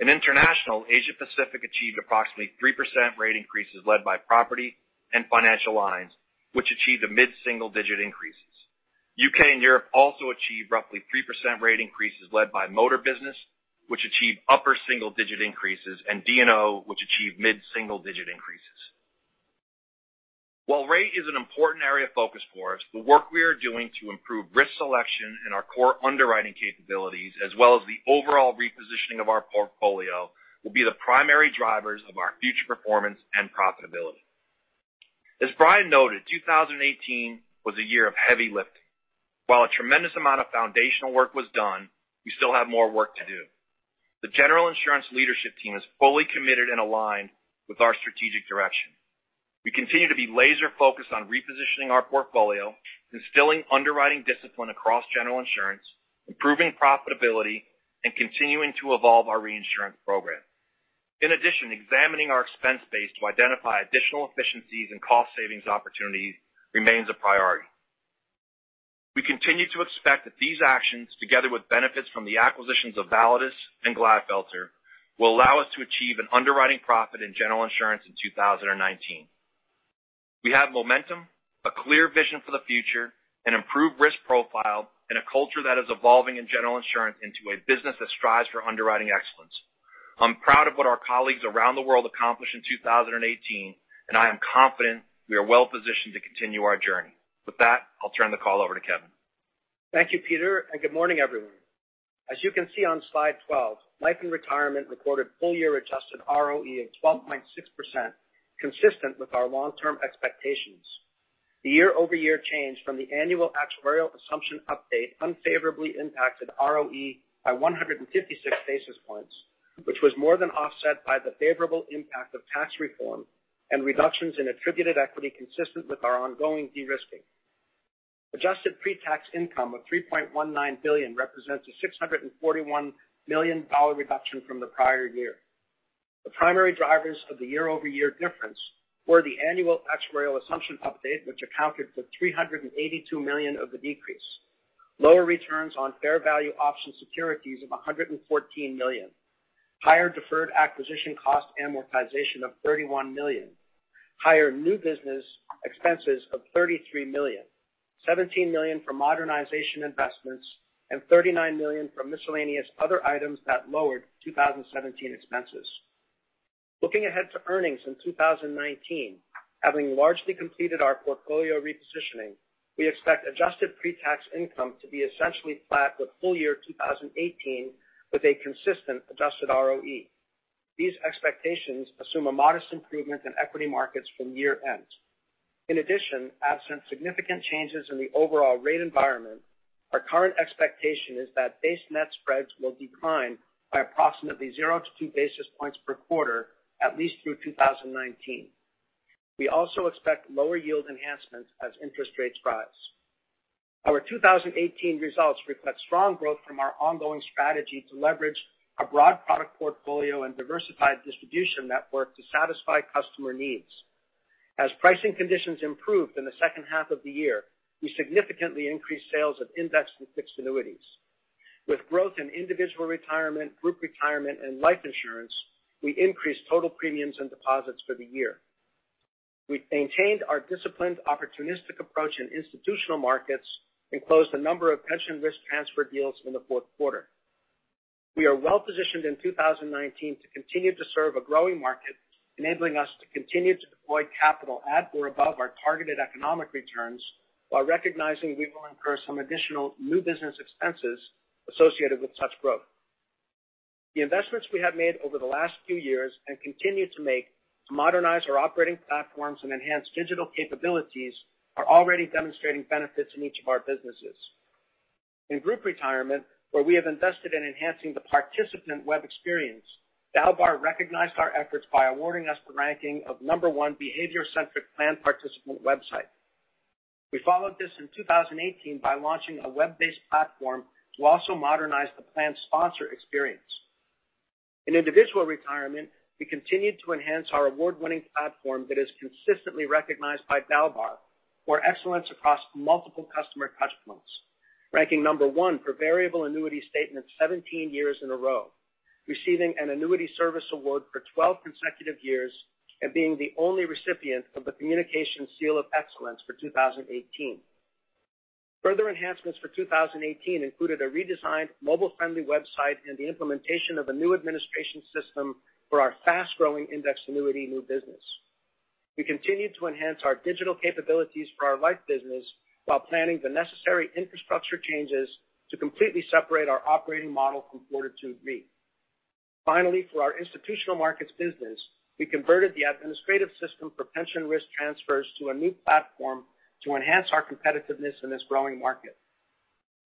In international, Asia Pacific achieved approximately 3% rate increases led by property and financial lines, which achieved mid-single-digit increases. U.K. and Europe also achieved roughly 3% rate increases led by motor business, which achieved upper single-digit increases, and D&O, which achieved mid-single-digit increases. While rate is an important area of focus for us, the work we are doing to improve risk selection and our core underwriting capabilities, as well as the overall repositioning of our portfolio, will be the primary drivers of our future performance and profitability. As Brian noted, 2018 was a year of heavy lifting. While a tremendous amount of foundational work was done, we still have more work to do. The General Insurance leadership team is fully committed and aligned with our strategic direction. We continue to be laser-focused on repositioning our portfolio, instilling underwriting discipline across General Insurance, improving profitability, and continuing to evolve our reinsurance program. In addition, examining our expense base to identify additional efficiencies and cost savings opportunities remains a priority. We continue to expect that these actions, together with benefits from the acquisitions of Validus and Glatfelter, will allow us to achieve an underwriting profit in General Insurance in 2019. We have momentum, a clear vision for the future, an improved risk profile, and a culture that is evolving in General Insurance into a business that strives for underwriting excellence. I'm proud of what our colleagues around the world accomplished in 2018, and I am confident we are well-positioned to continue our journey. With that, I'll turn the call over to Kevin. Thank you, Peter. Good morning, everyone. As you can see on slide 12, Life & Retirement recorded full-year adjusted ROE of 12.6%, consistent with our long-term expectations. The year-over-year change from the annual actuarial assumption update unfavorably impacted ROE by 156 basis points, which was more than offset by the favorable impact of tax reform and reductions in attributed equity consistent with our ongoing de-risking. Adjusted pre-tax income of $3.19 billion represents a $641 million reduction from the prior year. The primary drivers of the year-over-year difference were the annual actuarial assumption update, which accounted for $382 million of the decrease, lower returns on fair value option securities of $114 million, higher deferred acquisition cost amortization of $31 million, higher new business expenses of $33 million, $17 million for modernization investments, and $39 million from miscellaneous other items that lowered 2017 expenses. Looking ahead to earnings in 2019, having largely completed our portfolio repositioning, we expect adjusted pre-tax income to be essentially flat with full year 2018 with a consistent adjusted ROE. These expectations assume a modest improvement in equity markets from year end. In addition, absent significant changes in the overall rate environment, our current expectation is that base net spreads will decline by approximately zero to two basis points per quarter at least through 2019. We also expect lower yield enhancements as interest rates rise. Our 2018 results reflect strong growth from our ongoing strategy to leverage a broad product portfolio and diversified distribution network to satisfy customer needs. As pricing conditions improved in the second half of the year, we significantly increased sales of indexed and fixed annuities. With growth in individual retirement, group retirement, and life insurance, we increased total premiums and deposits for the year. We've maintained our disciplined opportunistic approach in institutional markets and closed a number of pension risk transfer deals in the fourth quarter. We are well-positioned in 2019 to continue to serve a growing market, enabling us to continue to deploy capital at or above our targeted economic returns while recognizing we will incur some additional new business expenses associated with such growth. The investments we have made over the last few years and continue to make to modernize our operating platforms and enhance digital capabilities are already demonstrating benefits in each of our businesses. In group retirement, where we have invested in enhancing the participant web experience, DALBAR recognized our efforts by awarding us the ranking of number one behavior-centric plan participant website. We followed this in 2018 by launching a web-based platform to also modernize the plan sponsor experience. In individual retirement, we continued to enhance our award-winning platform that is consistently recognized by DALBAR for excellence across multiple customer touchpoints, ranking number 1 for variable annuity statements 17 years in a row, receiving an annuity service award for 12 consecutive years, and being the only recipient of the Communication Seal of Excellence for 2018. Further enhancements for 2018 included a redesigned mobile-friendly website and the implementation of a new administration system for our fast-growing indexed annuity new business. We continued to enhance our digital capabilities for our life business while planning the necessary infrastructure changes to completely separate our operating model from Fortitude Re. Finally, for our institutional markets business, we converted the administrative system for pension risk transfers to a new platform to enhance our competitiveness in this growing market.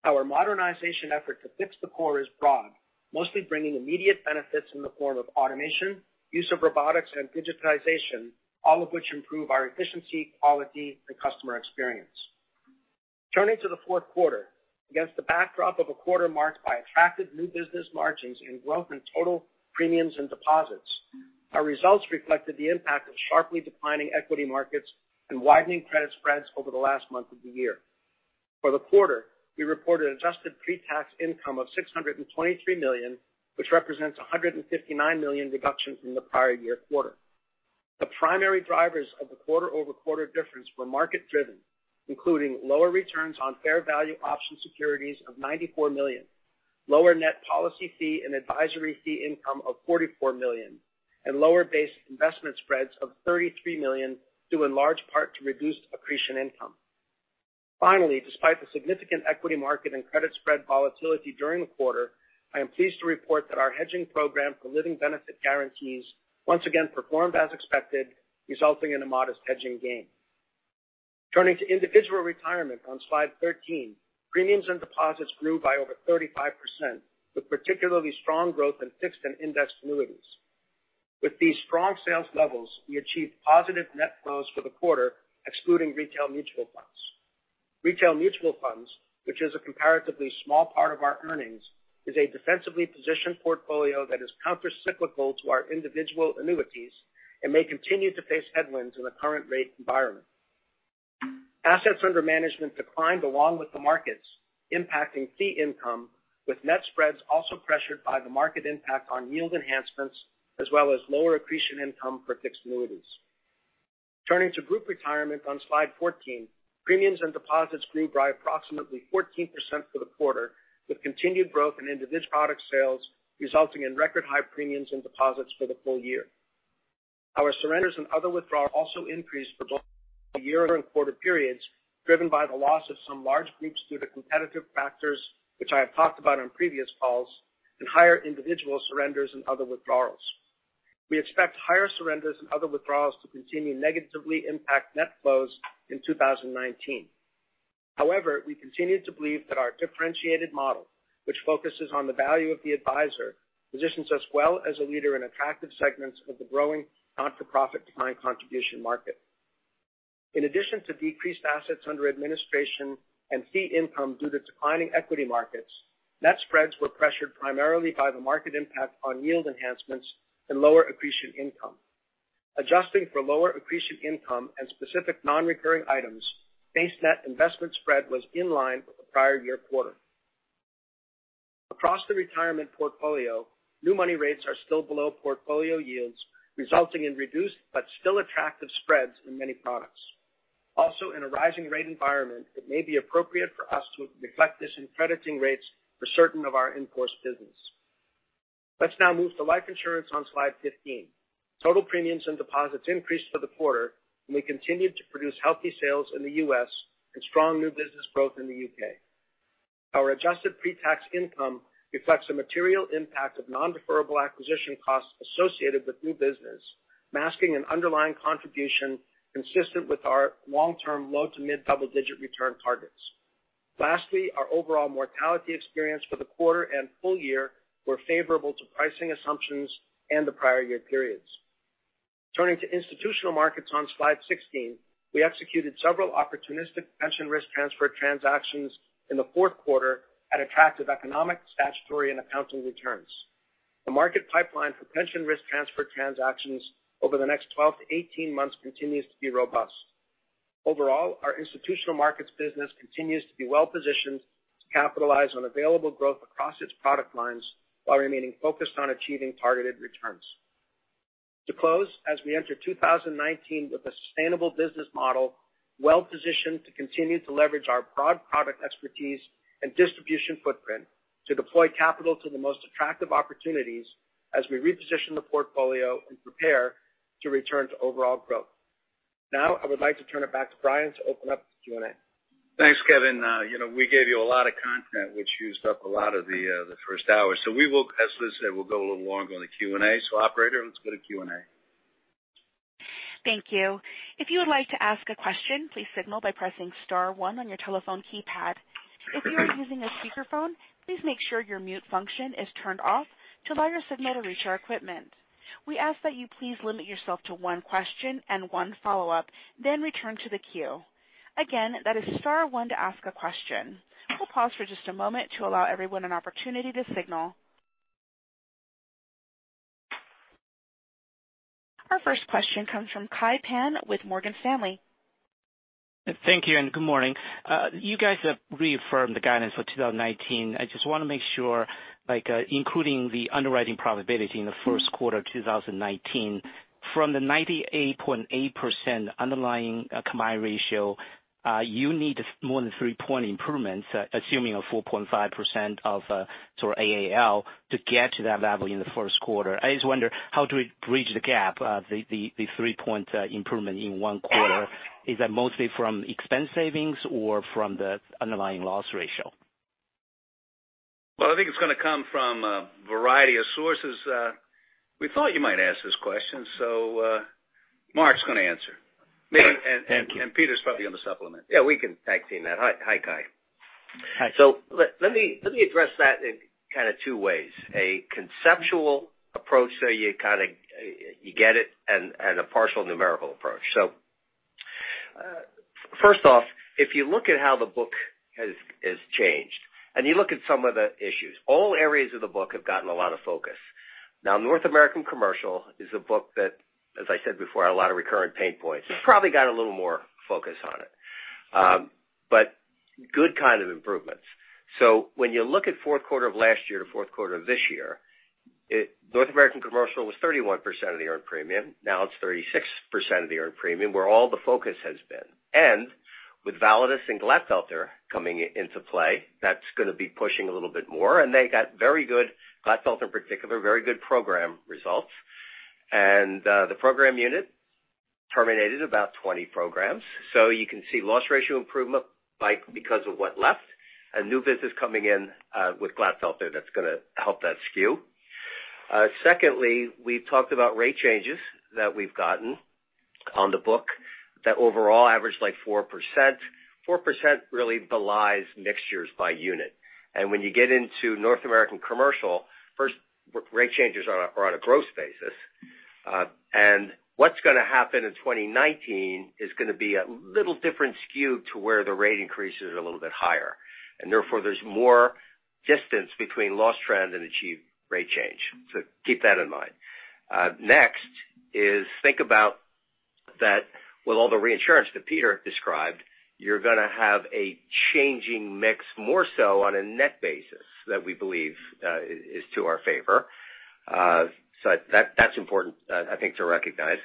Our modernization effort to fix the core is broad, mostly bringing immediate benefits in the form of automation, use of robotics, and digitization, all of which improve our efficiency, quality, and customer experience. Turning to the fourth quarter, against the backdrop of a quarter marked by attractive new business margins and growth in total premiums and deposits, our results reflected the impact of sharply declining equity markets and widening credit spreads over the last month of the year. For the quarter, we reported adjusted pre-tax income of $623 million, which represents a $159 million reduction from the prior year quarter. The primary drivers of the quarter-over-quarter difference were market driven, including lower returns on fair value option securities of $94 million, lower net policy fee and advisory fee income of $44 million, and lower base investment spreads of $33 million due in large part to reduced accretion income. Despite the significant equity market and credit spread volatility during the quarter, I am pleased to report that our hedging program for living benefit guarantees once again performed as expected, resulting in a modest hedging gain. Turning to individual retirement on slide 13, premiums and deposits grew by over 35%, with particularly strong growth in fixed and indexed annuities. With these strong sales levels, we achieved positive net flows for the quarter, excluding retail mutual funds. Retail mutual funds, which is a comparatively small part of our earnings, is a defensively positioned portfolio that is counter-cyclical to our individual annuities and may continue to face headwinds in the current rate environment. Assets under management declined along with the markets, impacting fee income, with net spreads also pressured by the market impact on yield enhancements, as well as lower accretion income for fixed annuities. Turning to group retirement on slide 14, premiums and deposits grew by approximately 14% for the quarter, with continued growth in individual product sales resulting in record high premiums and deposits for the full year. Our surrenders and other withdrawals also increased for both the year and quarter periods, driven by the loss of some large groups due to competitive factors, which I have talked about on previous calls, and higher individual surrenders and other withdrawals. We expect higher surrenders and other withdrawals to continue negatively impact net flows in 2019. We continue to believe that our differentiated model, which focuses on the value of the advisor, positions us well as a leader in attractive segments of the growing not-for-profit defined contribution market. In addition to decreased assets under administration and fee income due to declining equity markets, net spreads were pressured primarily by the market impact on yield enhancements and lower accretion income. Adjusting for lower accretion income and specific non-recurring items, base net investment spread was in line with the prior year quarter. Across the retirement portfolio, new money rates are still below portfolio yields, resulting in reduced but still attractive spreads in many products. Also, in a rising rate environment, it may be appropriate for us to reflect this in crediting rates for certain of our in-force business. Let's now move to life insurance on slide 15. Total premiums and deposits increased for the quarter, and we continued to produce healthy sales in the U.S. and strong new business growth in the U.K. Our adjusted pre-tax income reflects the material impact of non-deferrable acquisition costs associated with new business, masking an underlying contribution consistent with our long-term low to mid-double-digit return targets. Lastly, our overall mortality experience for the quarter and full year were favorable to pricing assumptions and the prior year periods. Turning to institutional markets on slide 16, we executed several opportunistic pension risk transfer transactions in the fourth quarter at attractive economic, statutory, and accounting returns. The market pipeline for pension risk transfer transactions over the next 12 to 18 months continues to be robust. Overall, our institutional markets business continues to be well-positioned to capitalize on available growth across its product lines while remaining focused on achieving targeted returns. To close, as we enter 2019 with a sustainable business model, well-positioned to continue to leverage our broad product expertise and distribution footprint to deploy capital to the most attractive opportunities as we reposition the portfolio and prepare to return to overall growth. I would like to turn it back to Brian to open up the Q&A. Thanks, Kevin. We gave you a lot of content, which used up a lot of the first hour. As Liz said, we'll go a little longer on the Q&A. Operator, let's go to Q&A. Thank you. If you would like to ask a question, please signal by pressing *1 on your telephone keypad. If you are using a speakerphone, please make sure your mute function is turned off to allow your signal to reach our equipment. We ask that you please limit yourself to one question and one follow-up, then return to the queue. Again, that is *1 to ask a question. We'll pause for just a moment to allow everyone an opportunity to signal. Our first question comes from Kai Pan with Morgan Stanley. Thank you. Good morning. You guys have reaffirmed the guidance for 2019. I just want to make sure, including the underwriting profitability in the first quarter of 2019, from the 98.8% underlying combined ratio, you need more than three-point improvements, assuming a 4.5% of AAL to get to that level in the first quarter. I just wonder, how do we bridge the gap, the three-point improvement in one quarter? Is that mostly from expense savings or from the underlying loss ratio? Well, I think it's going to come from a variety of sources. We thought you might ask this question, so Mark's going to answer. Thank you. Peter's probably going to supplement. Yeah, we can tag-team that. Hi, Kai. Hi. Let me address that in kind of two ways. A conceptual approach, so you get it, and a partial numerical approach. First off, if you look at how the book has changed, and you look at some of the issues, all areas of the book have gotten a lot of focus. Now, North American Commercial is a book that, as I said before, had a lot of recurring pain points. It's probably got a little more focus on it. But good kind of improvements. When you look at fourth quarter of last year to fourth quarter of this year, North American Commercial was 31% of the earned premium. Now it's 36% of the earned premium, where all the focus has been. With Validus and Glatfelter coming into play, that's going to be pushing a little bit more, and they got very good, Glatfelter in particular, very good program results. The program unit terminated about 20 programs. You can see loss ratio improvement because of what left, and new business coming in with Glatfelter that's going to help that skew. Secondly, we've talked about rate changes that we've gotten on the book that overall average like 4%. 4% really belies mixtures by unit. When you get into North American Commercial, first, rate changes are on a gross basis. What's going to happen in 2019 is going to be a little different skew to where the rate increases are a little bit higher, and therefore there's more distance between loss trend and achieved rate change. Keep that in mind. Next is think about that with all the reinsurance that Peter described, you're going to have a changing mix more so on a net basis that we believe is to our favor. That's important, I think, to recognize.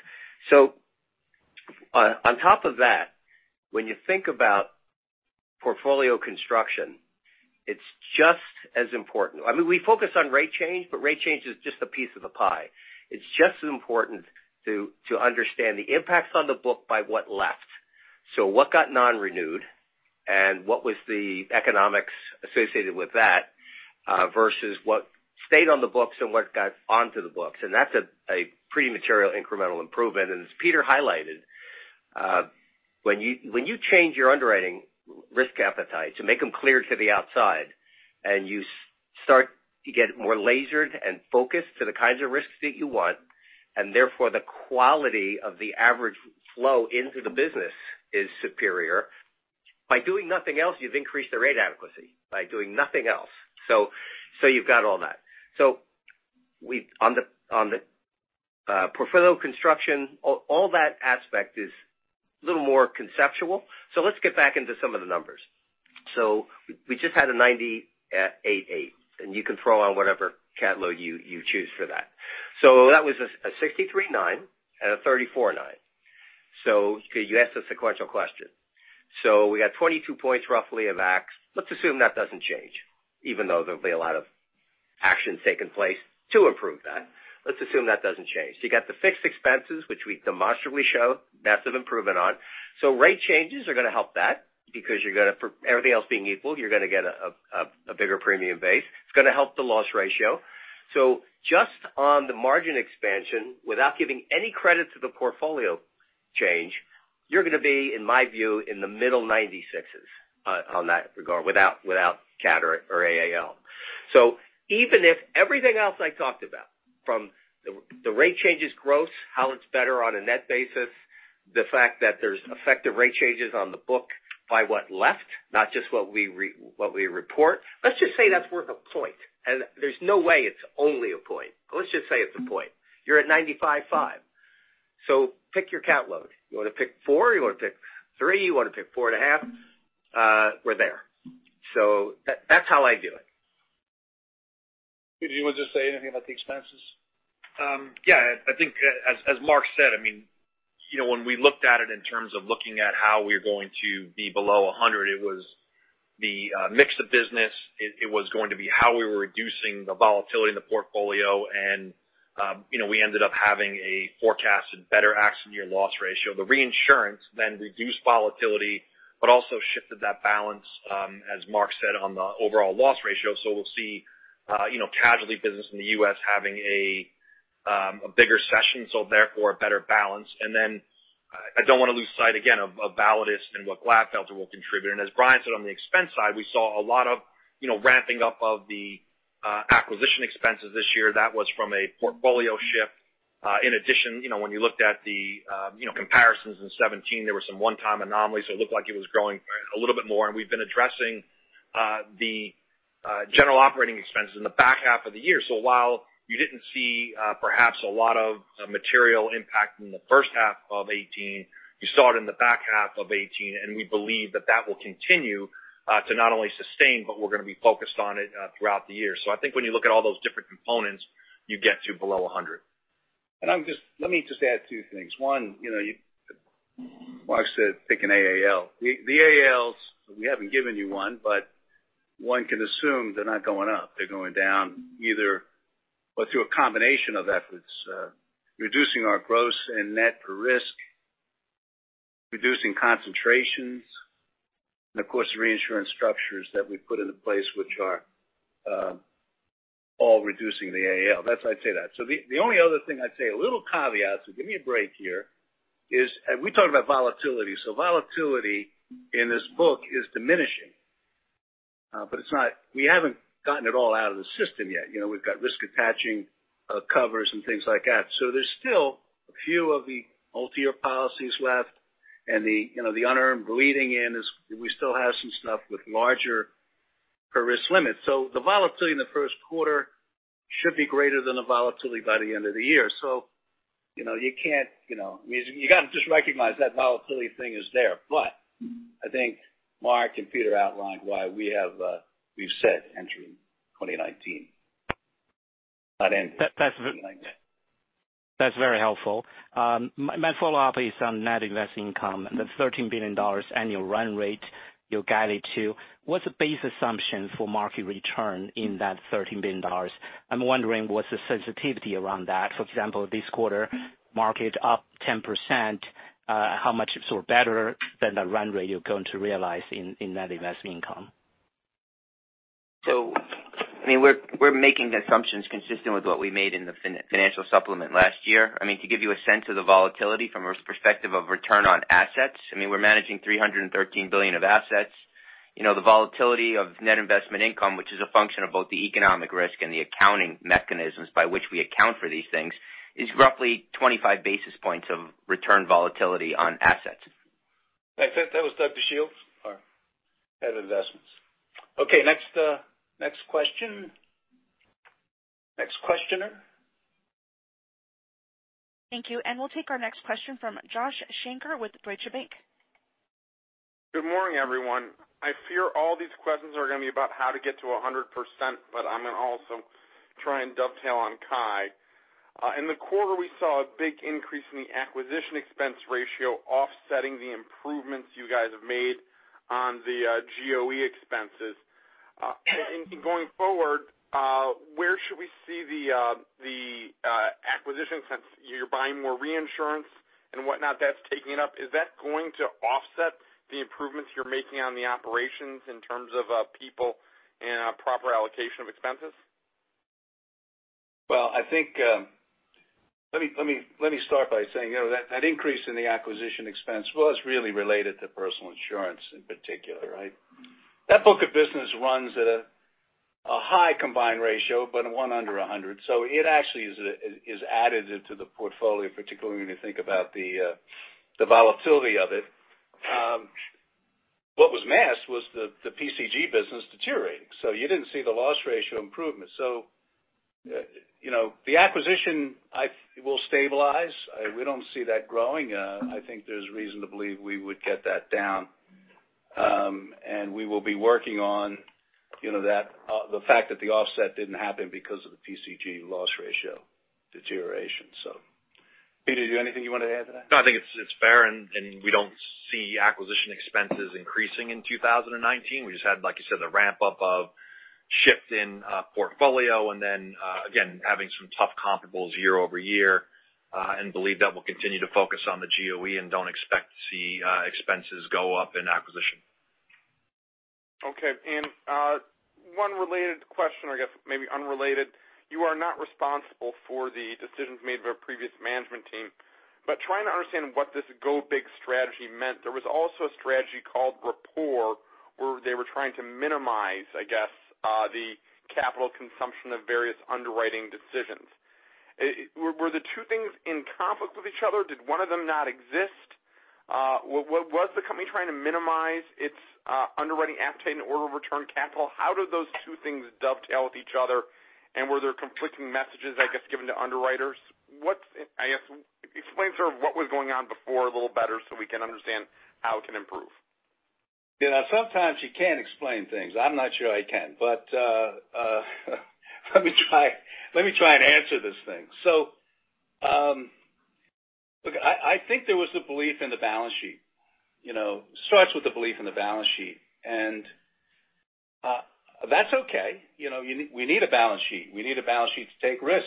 On top of that, when you think about portfolio construction, it's just as important. We focus on rate change, but rate change is just a piece of the pie. It's just as important to understand the impacts on the book by what left. What got non-renewed and what was the economics associated with that, versus what stayed on the books and what got onto the books. That's a pretty material incremental improvement. As Peter highlighted, when you change your underwriting risk appetite to make them clear to the outside, you start to get more lasered and focused to the kinds of risks that you want, therefore, the quality of the average flow into the business is superior. By doing nothing else, you've increased the rate adequacy. By doing nothing else. You've got all that. On the portfolio construction, all that aspect is a little more conceptual. Let's get back into some of the numbers. We just had a 98.8, you can throw on whatever cat load you choose for that. That was a 63.9 and a 34.9. You asked a sequential question. We got 22 points roughly of X. Let's assume that doesn't change, even though there'll be a lot of action taking place to improve that. Let's assume that doesn't change. You got the fixed expenses, which we demonstrably show massive improvement on. Rate changes are going to help that because everything else being equal, you're going to get a bigger premium base. It's going to help the loss ratio. Just on the margin expansion, without giving any credit to the portfolio change, you're going to be, in my view, in the middle 96s on that regard without cat or AAL. Even if everything else I talked about, from the rate changes gross, how it's better on a net basis, the fact that there's effective rate changes on the book by what left, not just what we report. Let's just say that's worth a point, and there's no way it's only a point. Let's just say it's a point. You're at 95.5. Pick your cat load. You want to pick four, you want to pick three, you want to pick four and a half, we're there. That's how I do it. Peter, do you want to just say anything about the expenses? Yeah, I think as Mark said, when we looked at it in terms of looking at how we're going to be below 100, it was the mix of business, it was going to be how we were reducing the volatility in the portfolio, and we ended up having a forecasted better accident year loss ratio. The reinsurance then reduced volatility, but also shifted that balance, as Mark said, on the overall loss ratio. We'll see casualty business in the U.S. having a bigger session, so therefore a better balance. I don't want to lose sight again of Validus and what Glatfelter will contribute. As Brian said, on the expense side, we saw a lot of ramping up of the acquisition expenses this year. That was from a portfolio shift. In addition, when you looked at the comparisons in 2017, there were some one-time anomalies, so it looked like it was growing a little bit more, and we've been addressing the general operating expenses in the back half of the year. While you didn't see perhaps a lot of material impact in the first half of 2018, you saw it in the back half of 2018, and we believe that that will continue to not only sustain, but we're going to be focused on it throughout the year. I think when you look at all those different components, you get to below 100. Let me just add two things. One, Mark said pick an AAL. The AALs, we haven't given you one, but one can assume they're not going up. They're going down either through a combination of efforts, reducing our gross and net per risk, reducing concentrations, and of course, the reinsurance structures that we put into place, which are all reducing the AAL. That's why I say that. The only other thing I'd say, a little caveat, so give me a break here, is we talked about volatility. Volatility in this book is diminishing, but we haven't gotten it all out of the system yet. We've got risk attaching covers and things like that. There's still a few of the multi-year policies left, and the unearned bleeding in is we still have some stuff with larger per risk limits. The volatility in the first quarter should be greater than the volatility by the end of the year. You got to just recognize that volatility thing is there. I think Mark and Peter outlined why we've said entering 2019. Not end. That's very helpful. My follow-up is on net investment income, the $13 billion annual run rate you guided to. What's the base assumption for market return in that $13 billion? I'm wondering what's the sensitivity around that? For example, this quarter, market up 10%, how much better than the run rate you're going to realize in net investment income? We're making the assumptions consistent with what we made in the financial supplement last year. To give you a sense of the volatility from a perspective of return on assets, we're managing $313 billion of assets. The volatility of net investment income, which is a function of both the economic risk and the accounting mechanisms by which we account for these things, is roughly 25 basis points of return volatility on assets. That was Douglas Dachille, our Head of Investments. Okay, next question. Next questioner. Thank you. We'll take our next question from Joshua Shanker with Deutsche Bank. Good morning, everyone. I fear all these questions are going to be about how to get to 100%, but I'm going to also try and dovetail on Kai. In the quarter, we saw a big increase in the acquisition expense ratio offsetting the improvements you guys have made on the GOE expenses. Going forward, where should we see the acquisition since you're buying more reinsurance and whatnot that's taking it up, is that going to offset the improvements you're making on the operations in terms of people and proper allocation of expenses? Well, let me start by saying, that increase in the acquisition expense was really related to personal insurance in particular, right? That book of business runs at a high combined ratio, but one under 100. It actually is additive to the portfolio, particularly when you think about the volatility of it. What was masked was the PCG business deteriorating. You didn't see the loss ratio improvement. The acquisition will stabilize. We don't see that growing. I think there's reason to believe we would get that down. We will be working on the fact that the offset didn't happen because of the PCG loss ratio deterioration. Peter, do you have anything you wanted to add to that? No, I think it's fair. We don't see acquisition expenses increasing in 2019. We just had, like you said, the ramp up of shift in portfolio. Then again, having some tough comparables year-over-year, we believe that we'll continue to focus on the GOE and don't expect to see expenses go up in acquisition. Okay. One related question, or I guess maybe unrelated. You are not responsible for the decisions made by a previous management team, trying to understand what this go large strategy meant. There was also a strategy called Rapport, where they were trying to minimize, I guess, the capital consumption of various underwriting decisions. Were the two things in conflict with each other? Did one of them not exist? Was the company trying to minimize its underwriting appetite in order to return capital? How do those two things dovetail with each other? Were there conflicting messages, I guess, given to underwriters? I guess, explain sort of what was going on before a little better so we can understand how it can improve. Sometimes you can explain things. I'm not sure I can, let me try and answer this thing. Look, I think there was the belief in the balance sheet. Starts with the belief in the balance sheet. That's okay. We need a balance sheet. We need a balance sheet to take risk.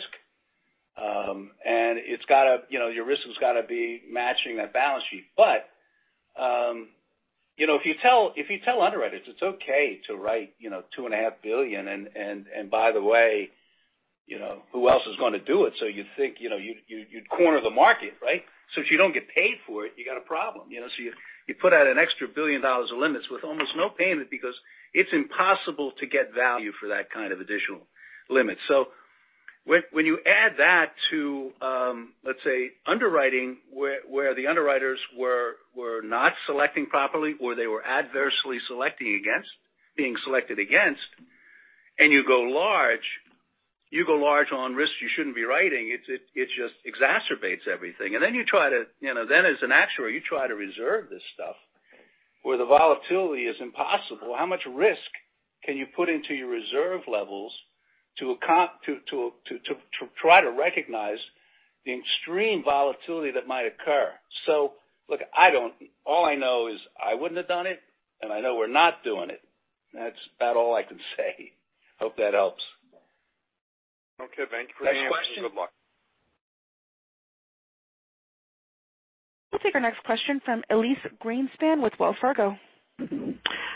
Your risk has got to be matching that balance sheet. If you tell underwriters it's okay to write $2.5 billion, by the way, who else is going to do it? You'd think you'd corner the market, right? If you don't get paid for it, you got a problem. You put out an extra $1 billion of limits with almost no payment because it's impossible to get value for that kind of additional limit. When you add that to let's say underwriting, where the underwriters were not selecting properly, or they were adversely being selected against, and you go large on risks you shouldn't be writing, it just exacerbates everything. Then as an actuary, you try to reserve this stuff where the volatility is impossible. How much risk can you put into your reserve levels to try to recognize the extreme volatility that might occur? Look, all I know is I wouldn't have done it, and I know we're not doing it. That's about all I can say. Hope that helps. Okay. Thank you for the answer. Good luck. We'll take our next question from Elyse Greenspan with Wells Fargo.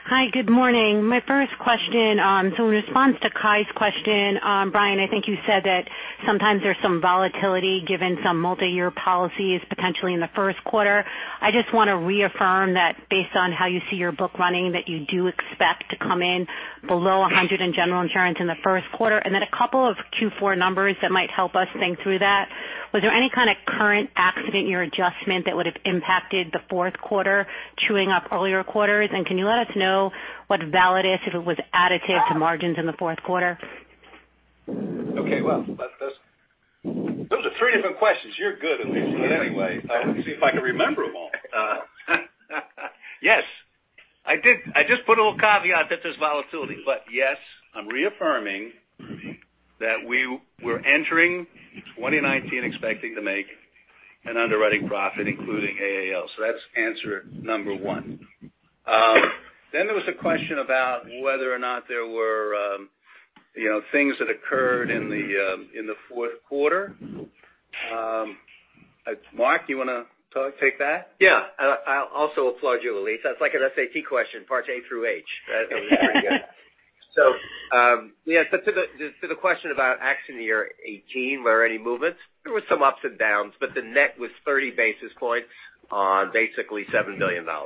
Hi. Good morning. My first question, in response to Kai's question, Brian, I think you said that sometimes there's some volatility given some multi-year policies potentially in the first quarter. I just want to reaffirm that based on how you see your book running, that you do expect to come in below 100 in General Insurance in the first quarter, a couple of Q4 numbers that might help us think through that. Was there any kind of current accident year adjustment that would've impacted the fourth quarter chewing up earlier quarters? Can you let us know what Validus, if it was additive to margins in the fourth quarter? Okay, well, those are three different questions. You're good, Elyse. Anyway, let me see if I can remember them all. Yes. I just put a little caveat that there's volatility, but yes, I'm reaffirming that we're entering 2019 expecting to make an underwriting profit, including AAL. That's answer number one. There was a question about whether or not there were things that occurred in the fourth quarter. Mark, you want to take that? Yeah. I'll also applaud you, Elyse. That's like an SAT question, part A through H, right? To the question about accident year 2018, were there any movements? There were some ups and downs, but the net was 30 basis points on basically $7 billion. That's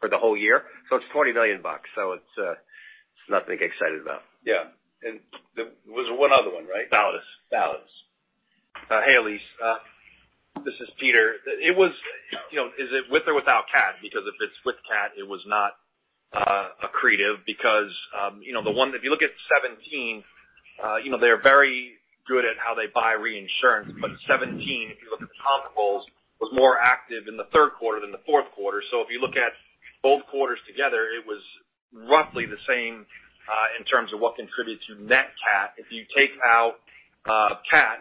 for the whole year. It's $40 million. It's nothing to get excited about. Yeah. There was one other one, right? Validus. Validus. Hey, Elyse. This is Peter. Is it with or without cat? If it's with cat, it was not accretive because if you look at 2017, they're very good at how they buy reinsurance. 2017, if you look at the comparables, was more active in the third quarter than the fourth quarter. If you look at both quarters together, it was roughly the same in terms of what contributed to net cat. If you take out cat,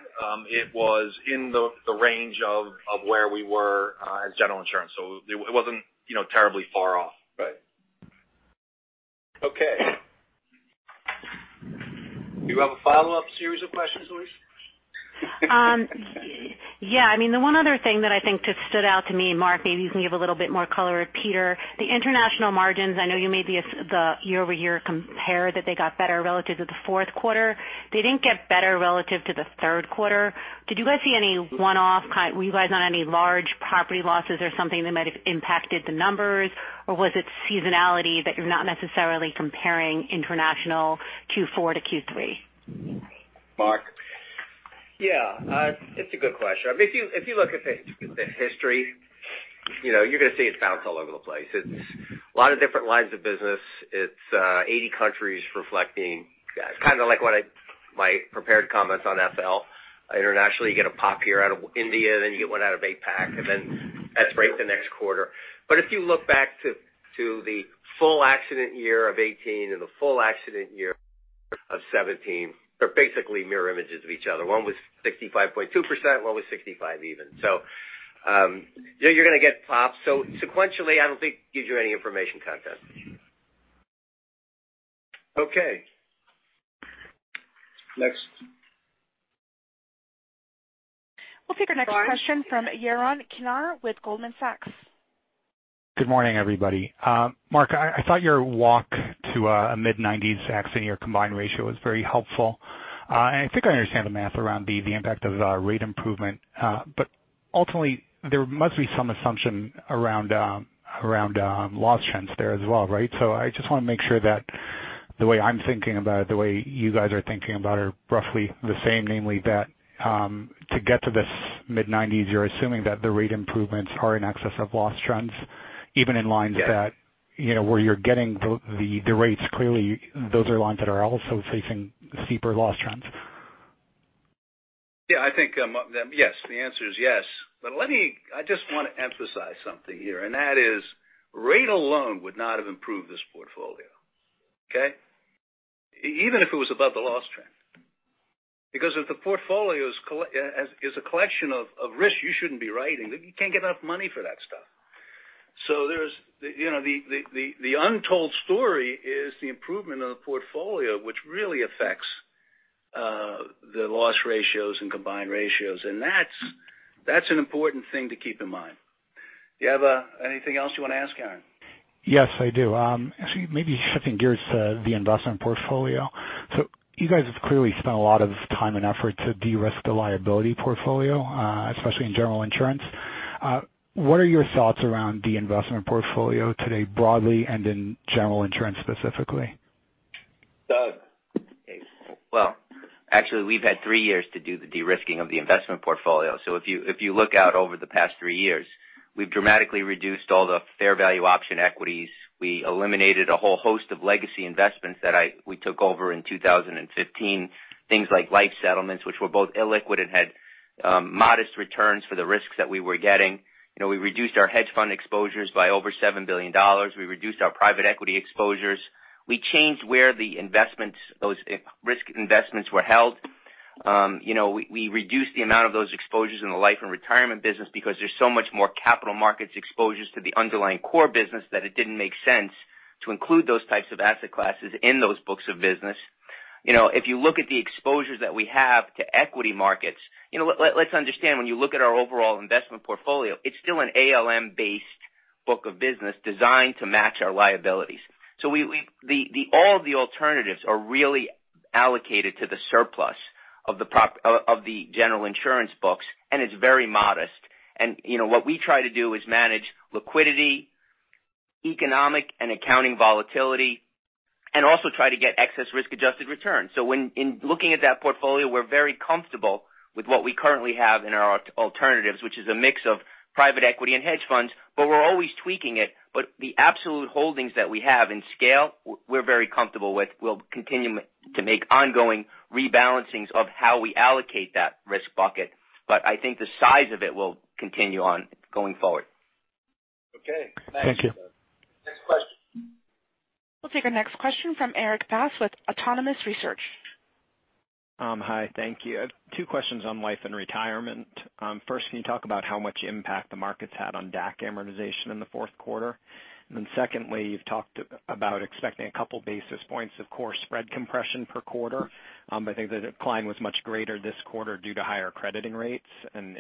it was in the range of where we were as General Insurance. It wasn't terribly far off. Right. Okay. Do you have a follow-up series of questions, Elyse? Yeah. The one other thing that I think just stood out to me, Mark, maybe you can give a little bit more color, and Peter, the international margins, I know you made the year-over-year compare that they got better relative to the fourth quarter. They didn't get better relative to the third quarter. Did you guys see any one-off? Were you guys on any large property losses or something that might have impacted the numbers? Was it seasonality that you're not necessarily comparing international Q4 to Q3? Mark? Yeah. It's a good question. If you look at the history, you're going to see it's bounced all over the place. It's a lot of different lines of business. It's 80 countries reflecting, kind of like my prepared comments on FL. Internationally, you get a pop here out of India, then you get one out of APAC, then that's right the next quarter. If you look back to the full accident year of 2018 and the full accident year of 2017, they're basically mirror images of each other. One was 65.2%, one was 65% even. You're going to get pops. Sequentially, I don't think it gives you any information content. Okay. Next. We'll take our next question from Yaron Kinar with Goldman Sachs. Good morning, everybody. Mark, I thought your walk to a mid-90s accident year combined ratio was very helpful. I think I understand the math around the impact of rate improvement. Ultimately, there must be some assumption around loss trends there as well, right? I just want to make sure that the way I'm thinking about it, the way you guys are thinking about it are roughly the same, namely that to get to this mid-90s, you're assuming that the rate improvements are in excess of loss trends, even in lines Yes where you're getting the rates, clearly those are lines that are also facing steeper loss trends. Yeah, I think yes. The answer is yes. I just want to emphasize something here, and that is rate alone would not have improved this portfolio. Okay. Even if it was above the loss trend. If the portfolio is a collection of risks you shouldn't be writing, you can't get enough money for that stuff. The untold story is the improvement of the portfolio, which really affects the loss ratios and combined ratios, and that's an important thing to keep in mind. Do you have anything else you want to ask, Yaron? Yes, I do. Actually, maybe shifting gears to the investment portfolio. You guys have clearly spent a lot of time and effort to de-risk the liability portfolio, especially in General Insurance. What are your thoughts around the investment portfolio today broadly and in General Insurance specifically? Doug? Well, actually, we've had 3 years to do the de-risking of the investment portfolio. If you look out over the past 3 years, we've dramatically reduced all the fair value option equities. We eliminated a whole host of legacy investments that we took over in 2015. Things like life settlements, which were both illiquid and had modest returns for the risks that we were getting. We reduced our hedge fund exposures by over $7 billion. We reduced our private equity exposures. We changed where the investments, those risk investments were held. We reduced the amount of those exposures in the Life & Retirement business because there's so much more capital markets exposures to the underlying core business that it didn't make sense to include those types of asset classes in those books of business. If you look at the exposures that we have to equity markets, let's understand, when you look at our overall investment portfolio, it's still an ALM-based book of business designed to match our liabilities. All of the alternatives are really allocated to the surplus of the General Insurance books, and it's very modest. What we try to do is manage liquidity, economic and accounting volatility, and also try to get excess risk-adjusted returns. In looking at that portfolio, we're very comfortable with what we currently have in our alternatives, which is a mix of private equity and hedge funds, but we're always tweaking it. The absolute holdings that we have in scale, we're very comfortable with. We'll continue to make ongoing rebalancing of how we allocate that risk bucket. I think the size of it will continue on going forward. Okay, thanks. Thank you. Next question. We'll take our next question from Erik Bass with Autonomous Research. Hi, thank you. I have two questions on Life & Retirement. First, can you talk about how much impact the markets had on DAC amortization in the fourth quarter? Secondly, you've talked about expecting a couple basis points of core spread compression per quarter. I think the decline was much greater this quarter due to higher crediting rates.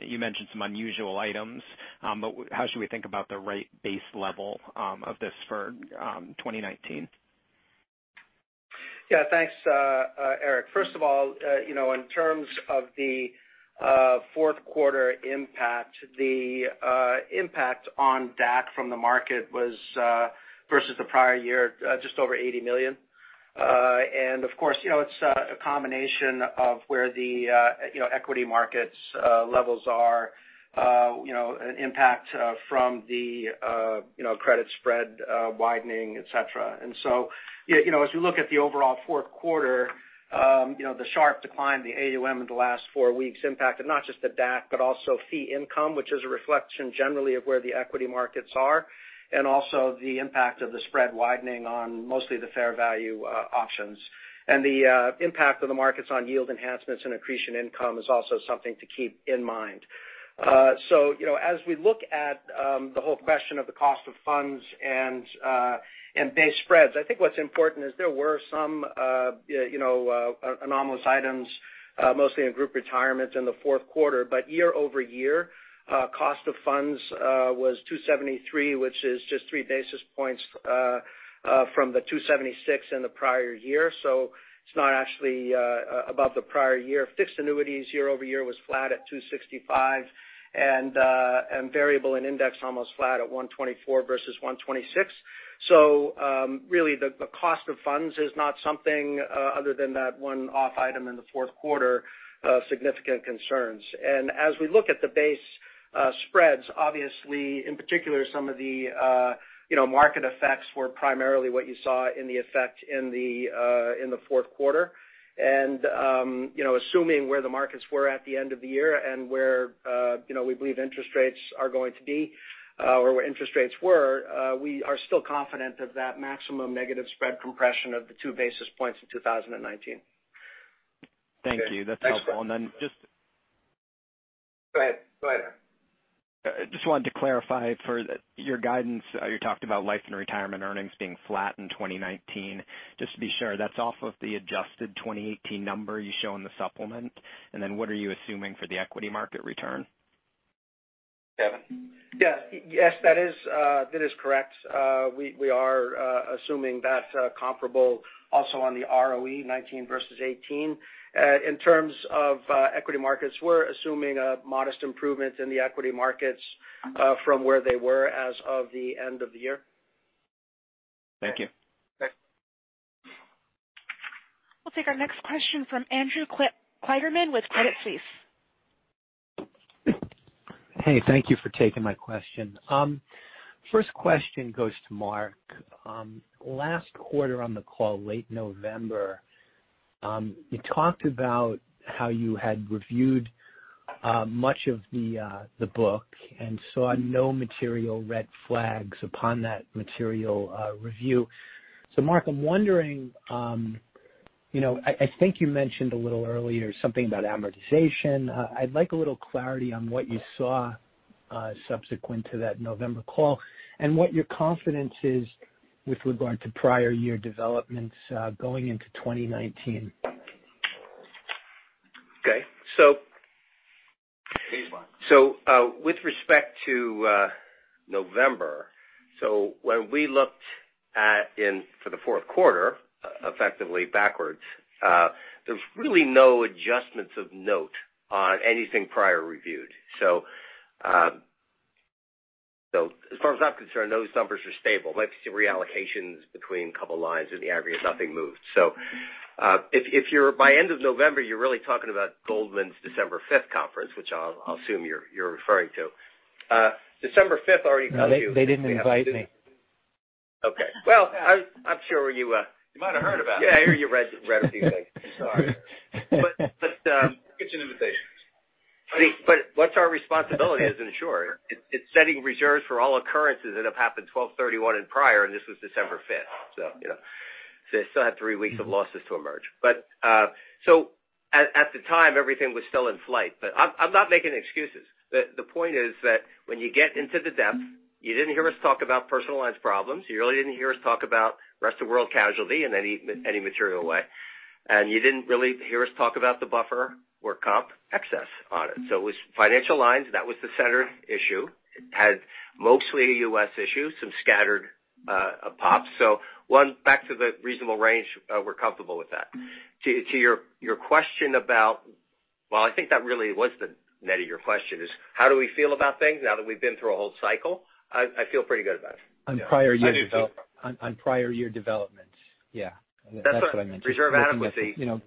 You mentioned some unusual items. How should we think about the rate base level of this for 2019? Yeah, thanks, Erik. First of all, in terms of the fourth quarter impact, the impact on DAC from the market was versus the prior year, just over $80 million. Of course, it's a combination of where the equity markets levels are, an impact from the credit spread widening, et cetera. So, as we look at the overall fourth quarter, the sharp decline, the AUM in the last four weeks impacted not just the DAC, but also fee income, which is a reflection generally of where the equity markets are, and also the impact of the spread widening on mostly the fair value options. The impact of the markets on yield enhancements and accretion income is also something to keep in mind. As we look at the whole question of the cost of funds and base spreads, I think what's important is there were some anomalous items mostly in group retirements in the fourth quarter, but year-over-year cost of funds was 273, which is just three basis points from the 276 in the prior year. It's not actually above the prior year. Fixed annuities year-over-year was flat at 265, and variable and index almost flat at 124 versus 126. Really the cost of funds is not something other than that one-off item in the fourth quarter of significant concerns. As we look at the base spreads, obviously in particular, some of the market effects were primarily what you saw in the effect in the fourth quarter. Assuming where the markets were at the end of the year and where we believe interest rates are going to be or where interest rates were, we are still confident of that maximum negative spread compression of the two basis points in 2019. Thank you. That's helpful. Go ahead. Just wanted to clarify for your guidance, you talked about Life & Retirement earnings being flat in 2019. Just to be sure, that's off of the adjusted 2018 number you show in the supplement. What are you assuming for the equity market return? Kevin? Yes. That is correct. We are assuming that comparable also on the ROE 2019 versus 2018. In terms of equity markets, we're assuming a modest improvement in the equity markets from where they were as of the end of the year. Thank you. Okay. We'll take our next question from Andrew Kligerman with Credit Suisse. Thank you for taking my question. First question goes to Mark. Last quarter on the call, late November, you talked about how you had reviewed much of the book and saw no material red flags upon that material review. Mark, I'm wondering, I think you mentioned a little earlier something about amortization. I'd like a little clarity on what you saw subsequent to that November call and what your confidence is with regard to prior year developments going into 2019. Okay. Please, Mark With respect to November, when we looked at in for the fourth quarter, effectively backwards, there's really no adjustments of note on anything prior reviewed. As far as I'm concerned, those numbers are stable. Reallocations between a couple of lines in the aggregate, nothing moved. If you're by end of November, you're really talking about Goldman Sachs' December 5th conference, which I'll assume you're referring to. December 5th already got you- No, they didn't invite me. Okay. Well, I'm sure. You might have heard about it. Yeah, I hear you read a few things. Sorry. Get you an invitation. What's our responsibility as an insurer? It's setting reserves for all occurrences that have happened 12/31 and prior, and this was December 5th. They still had three weeks of losses to emerge. At the time, everything was still in flight. I'm not making excuses. The point is that when you get into the depth, you didn't hear us talk about personal lines problems. You really didn't hear us talk about rest of world casualty in any material way. You didn't really hear us talk about the buffer or comp excess on it. It was financial lines, that was the center issue. It had mostly U.S. issues, some scattered pops. One, back to the reasonable range, we're comfortable with that. To your question about Well, I think that really was the net of your question is how do we feel about things now that we've been through a whole cycle? I feel pretty good about it. On prior year developments. Yeah. That's what I meant. Reserve had with the- You know.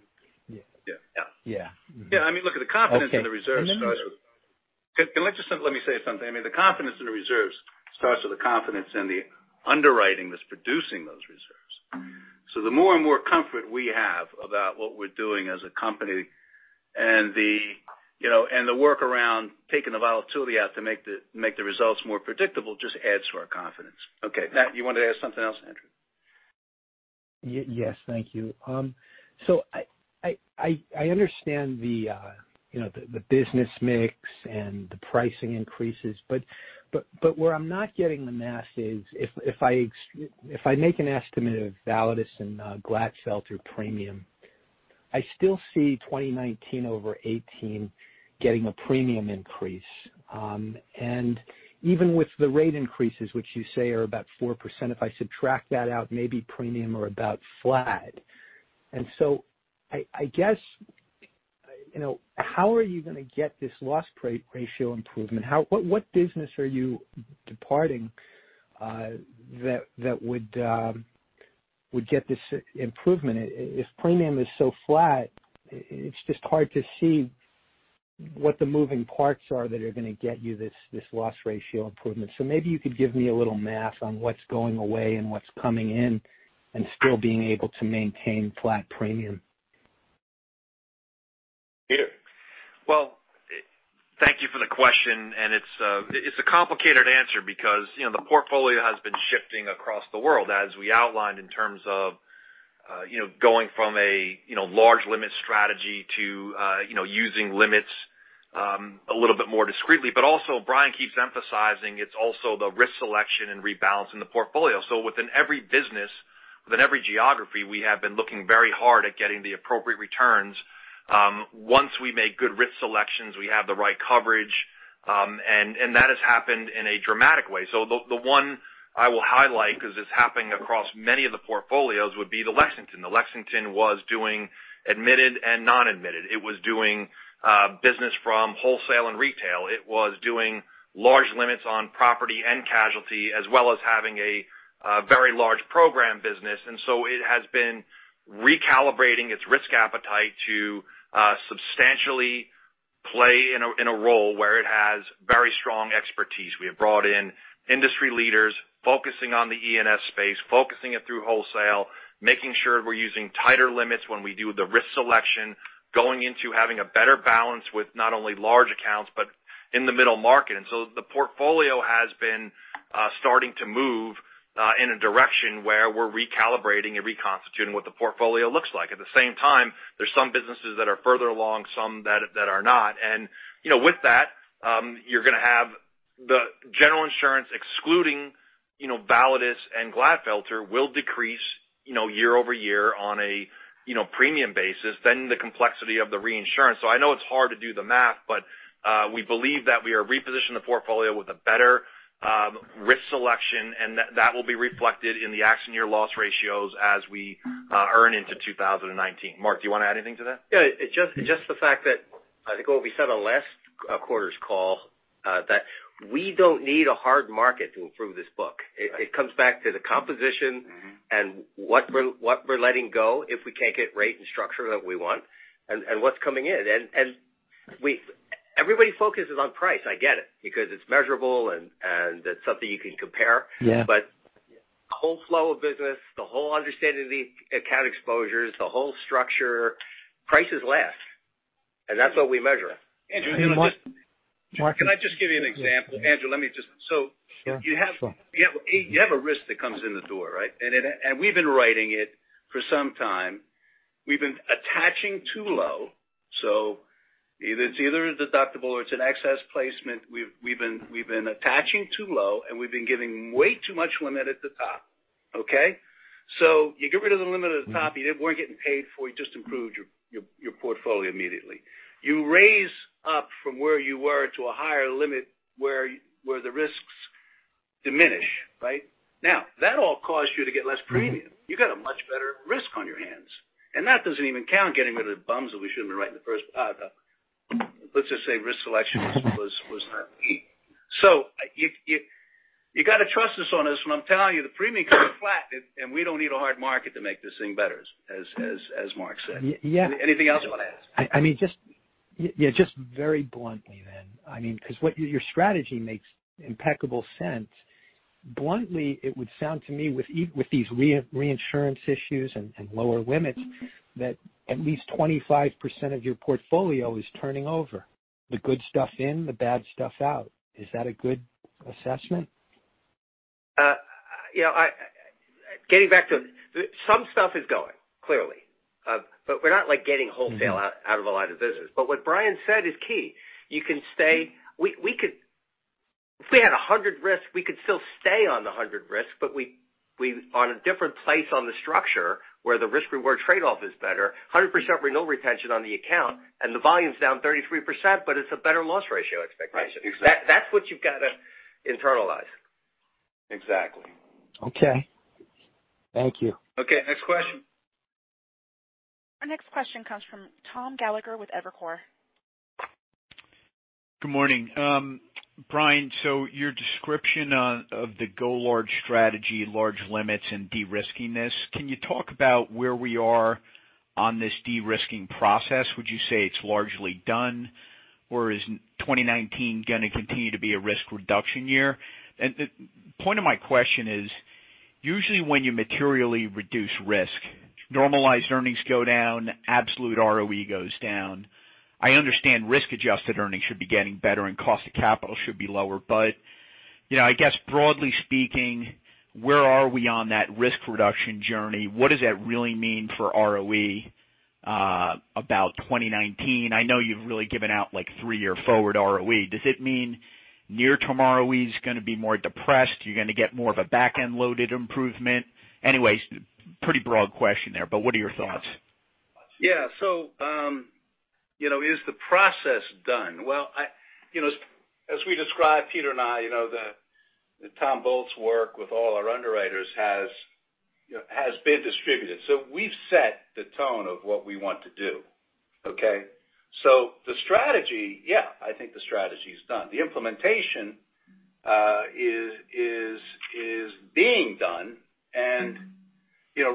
Yeah. Yeah. Yeah. Yeah. Yeah. I mean, look, the confidence in the reserves starts with Let me say something. I mean, the confidence in the reserves starts with the confidence in the underwriting that's producing those reserves. The more and more comfort we have about what we're doing as a company and the workaround taking the volatility out to make the results more predictable just adds to our confidence. Okay. You wanted to add something else, Andrew? Yes. Thank you. I understand the business mix and the pricing increases, but where I'm not getting the math is if I make an estimate of Validus and Glatfelter premium I still see 2019 over 2018 getting a premium increase. Even with the rate increases, which you say are about 4%, if I subtract that out, maybe premium are about flat. I guess, how are you going to get this loss ratio improvement? What business are you departing that would get this improvement? If premium is so flat, it's just hard to see what the moving parts are that are going to get you this loss ratio improvement. Maybe you could give me a little math on what's going away and what's coming in and still being able to maintain flat premium. Peter. Thank you for the question. It's a complicated answer because the portfolio has been shifting across the world, as we outlined in terms of going from a large limit strategy to using limits a little bit more discreetly. Brian keeps emphasizing, it's also the risk selection and rebalance in the portfolio. Within every business, within every geography, we have been looking very hard at getting the appropriate returns. Once we make good risk selections, we have the right coverage, and that has happened in a dramatic way. The one I will highlight, because it's happening across many of the portfolios, would be the Lexington. The Lexington was doing admitted and non-admitted. It was doing business from wholesale and retail. It was doing large limits on property and casualty, as well as having a very large program business. It has been recalibrating its risk appetite to substantially play in a role where it has very strong expertise. We have brought in industry leaders focusing on the E&S space, focusing it through wholesale, making sure we're using tighter limits when we do the risk selection, going into having a better balance with not only large accounts, but in the middle market. The portfolio has been starting to move in a direction where we're recalibrating and reconstituting what the portfolio looks like. At the same time, there's some businesses that are further along, some that are not. You're going to have the General Insurance, excluding Validus and Glatfelter, will decrease year-over-year on a premium basis, then the complexity of the reinsurance. I know it's hard to do the math, but we believe that we have repositioned the portfolio with a better risk selection, and that will be reflected in the accident year loss ratios as we earn into 2019. Mark, do you want to add anything to that? Just the fact that, I think what we said on last quarter's call, that we don't need a hard market to improve this book. It comes back to the composition and what we're letting go if we can't get rate and structure that we want and what's coming in. Everybody focuses on price, I get it, because it's measurable, and it's something you can compare. Yeah. The whole flow of business, the whole understanding of the account exposures, the whole structure, price is last. That's what we measure. Andrew. Mark- Can I just give you an example? Andrew. Sure. You have a risk that comes in the door, right? We've been writing it for some time. We've been attaching too low, so it's either a deductible or it's an excess placement. We've been attaching too low, and we've been giving way too much limit at the top. Okay? You get rid of the limit at the top you weren't getting paid for, you just improved your portfolio immediately. You raise up from where you were to a higher limit, where the risks diminish, right? That all caused you to get less premium. You got a much better risk on your hands. That doesn't even count getting rid of the bums that we shouldn't be writing. Let's just say risk selection was not key. You got to trust us on this when I'm telling you the premiums are flat, and we don't need a hard market to make this thing better, as Mark said. Yeah. Anything else you want to ask? Very bluntly, because your strategy makes impeccable sense. Bluntly, it would sound to me with these reinsurance issues and lower limits, that at least 25% of your portfolio is turning over. The good stuff in, the bad stuff out. Is that a good assessment? Getting back to it, some stuff is going, clearly. We're not getting wholesale out of a lot of business. What Brian said is key. If we had 100 risks, we could still stay on the 100 risks, but on a different place on the structure where the risk reward trade-off is better, 100% renewal retention on the account, and the volume's down 33%, but it's a better loss ratio expectation. Right. Exactly. That's what you've got to internalize. Exactly. Okay. Thank you. Okay, next question. Our next question comes from Thomas Gallagher with Evercore. Good morning. Brian, your description of the go large strategy, large limits, and de-risking, can you talk about where we are on this de-risking process? Would you say it's largely done, or is 2019 going to continue to be a risk reduction year? The point of my question is, usually when you materially reduce risk, normalized earnings go down, absolute ROE goes down. I understand risk-adjusted earnings should be getting better and cost of capital should be lower, but I guess broadly speaking, where are we on that risk reduction journey? What does that really mean for ROE about 2019? I know you've really given out three-year forward ROE. Does it mean near term ROE is going to be more depressed? You're going to get more of a back-end loaded improvement? Anyways, pretty broad question there, but what are your thoughts? Yeah. Is the process done? Well, as we described, Peter and I, the Tom Bolt work with all our underwriters has been distributed. We've set the tone of what we want to do. Okay? The strategy, yeah, I think the strategy's done. The implementation is being done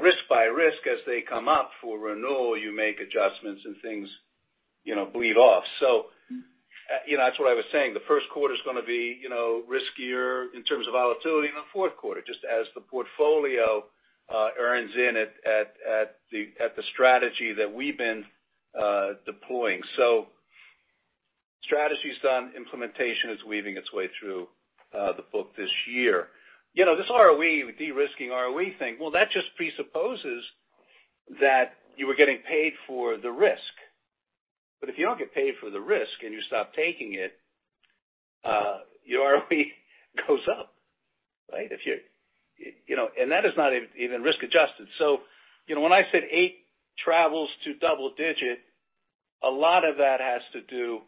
risk by risk as they come up for renewal, you make adjustments and things bleed off. That's what I was saying. The first quarter's going to be riskier in terms of volatility in the fourth quarter just as the portfolio earns in at the strategy that we've been deploying. Strategy's done, implementation is weaving its way through the book this year. This ROE, de-risking ROE thing, well, that just presupposes that you were getting paid for the risk. If you don't get paid for the risk and you stop taking it, your ROE goes up, right? That is not even risk-adjusted. When I said eight travels to double digit, a lot of that has to do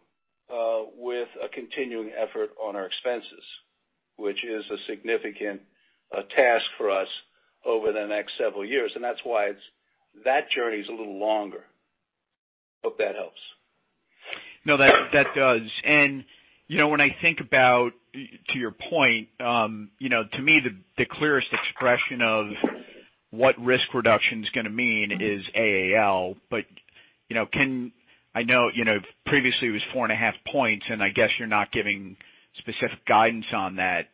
with a continuing effort on our expenses, which is a significant task for us over the next several years, that's why that journey's a little longer. Hope that helps. No, that does. When I think about, to your point, to me the clearest expression of what risk reduction's going to mean is AAL, but I know previously it was four and a half points, and I guess you're not giving specific guidance on that.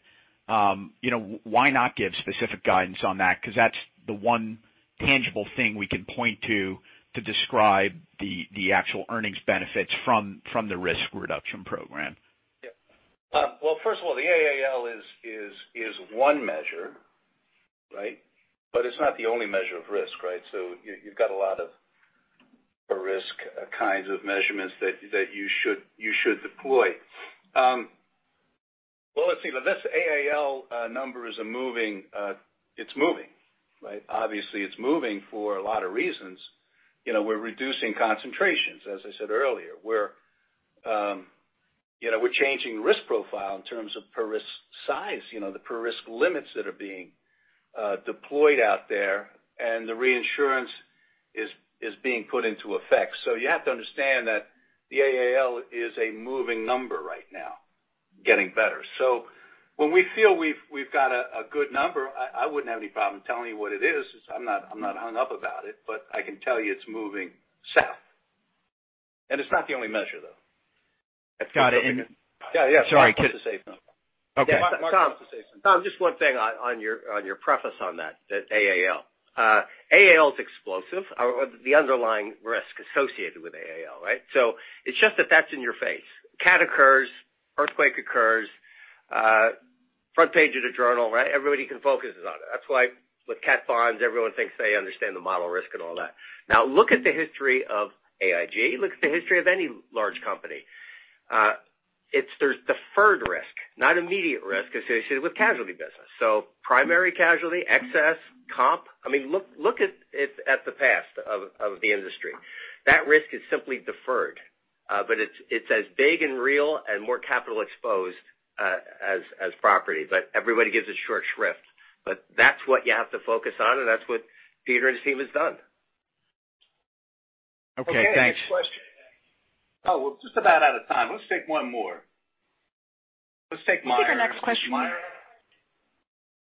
Why not give specific guidance on that? Because that's the one tangible thing we can point to describe the actual earnings benefits from the risk reduction program. Yeah. Well, first of all, the AAL is one measure, right? It's not the only measure of risk, right? You've got a lot of risk kinds of measurements that you should deploy. Well, let's see, this AAL number it's moving, right? Obviously it's moving for a lot of reasons. We're reducing concentrations, as I said earlier. We're changing risk profile in terms of per risk size, the per risk limits that are being deployed out there, and the reinsurance is being put into effect. You have to understand that the AAL is a moving number right now, getting better. When we feel we've got a good number, I wouldn't have any problem telling you what it is, since I'm not hung up about it, but I can tell you it's moving south. It's not the only measure, though. Got it. Yeah. Sorry. Mark wants to say something. Okay. Mark wants to say something. Tom, just one thing on your preface on that AAL. AAL is explosive, the underlying risk associated with AAL, right? It's just that that's in your face. Cat occurs, earthquake occurs, front page of the journal, right? Everybody can focus on it. That's why with cat bonds, everyone thinks they understand the model risk and all that. Now look at the history of AIG. Look at the history of any large company. There's deferred risk, not immediate risk associated with casualty business. Primary casualty, excess, comp, I mean look at the past of the industry. That risk is simply deferred. It's as big and real and more capital exposed as property. Everybody gives it short shrift. That's what you have to focus on, and that's what Peter and his team has done. Okay, thanks. Okay, next question. Oh, we're just about out of time. Let's take one more. Let's take Meyer. We'll take our next question.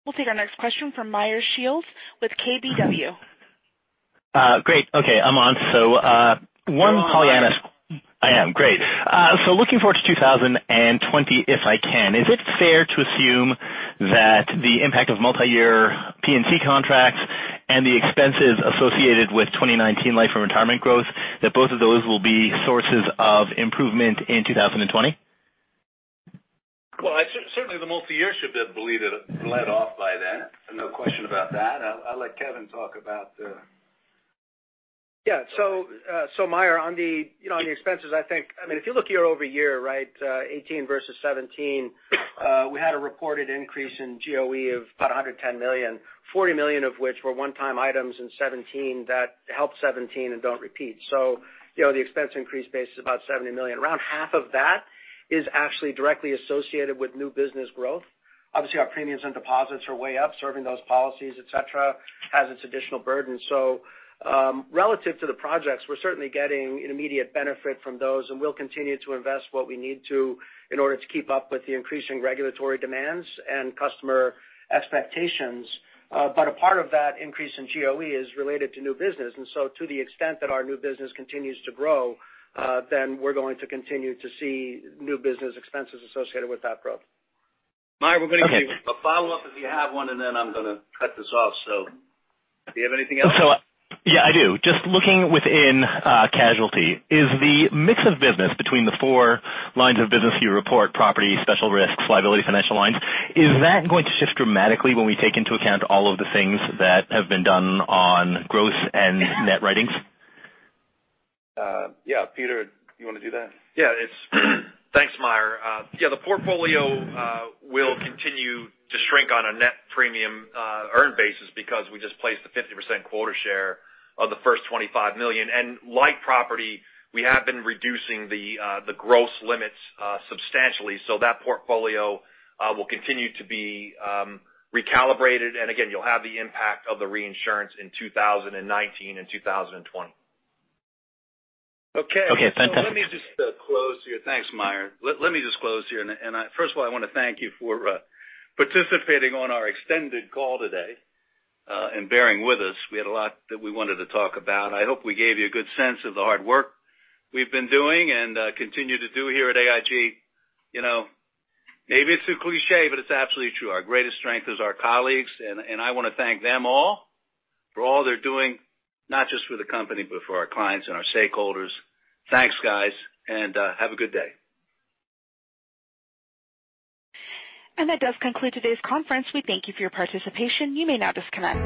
We'll take our next question from Meyer Shields with KBW. Great. Okay, I'm on. So one Pollyanna- You're on. I am, great. Looking forward to 2020 if I can, is it fair to assume that the impact of multi-year P&C contracts and the expenses associated with 2019 Life and Retirement growth, that both of those will be sources of improvement in 2020? Well certainly the multi-year should bled off by then. No question about that. I'll let Kevin talk about the Yeah. Meyer, on the expenses, I think if you look year-over-year, 2018 versus 2017, we had a reported increase in GOE of about $110 million, $40 million of which were one-time items in 2017 that helped 2017 and don't repeat. The expense increase base is about $70 million. Around half of that is actually directly associated with new business growth. Obviously, our premiums and deposits are way up, serving those policies, et cetera, has its additional burden. Relative to the projects, we're certainly getting an immediate benefit from those, and we'll continue to invest what we need to in order to keep up with the increasing regulatory demands and customer expectations. A part of that increase in GOE is related to new business, to the extent that our new business continues to grow, we're going to continue to see new business expenses associated with that growth. Meyer, we're going to do a follow-up if you have one, and then I'm going to cut this off. Do you have anything else? Yeah, I do. Just looking within casualty. Is the mix of business between the four lines of business you report, property, special risks, liability, financial lines, is that going to shift dramatically when we take into account all of the things that have been done on growth and net writings? Yeah. Peter, you want to do that? Yeah. Thanks, Meyer. The portfolio will continue to shrink on a net premium earned basis because we just placed a 50% quota share of the first $25 million. Like property, we have been reducing the gross limits substantially, that portfolio will continue to be recalibrated. Again, you'll have the impact of the reinsurance in 2019 and 2020. Okay. Fantastic. Let me just close here. Thanks, Meyer. Let me just close here. First of all, I want to thank you for participating on our extended call today, and bearing with us. We had a lot that we wanted to talk about. I hope we gave you a good sense of the hard work we've been doing and continue to do here at AIG. Maybe it's a cliché, but it's absolutely true. Our greatest strength is our colleagues, and I want to thank them all for all they're doing, not just for the company, but for our clients and our stakeholders. Thanks, guys, and have a good day. That does conclude today's conference. We thank you for your participation. You may now disconnect.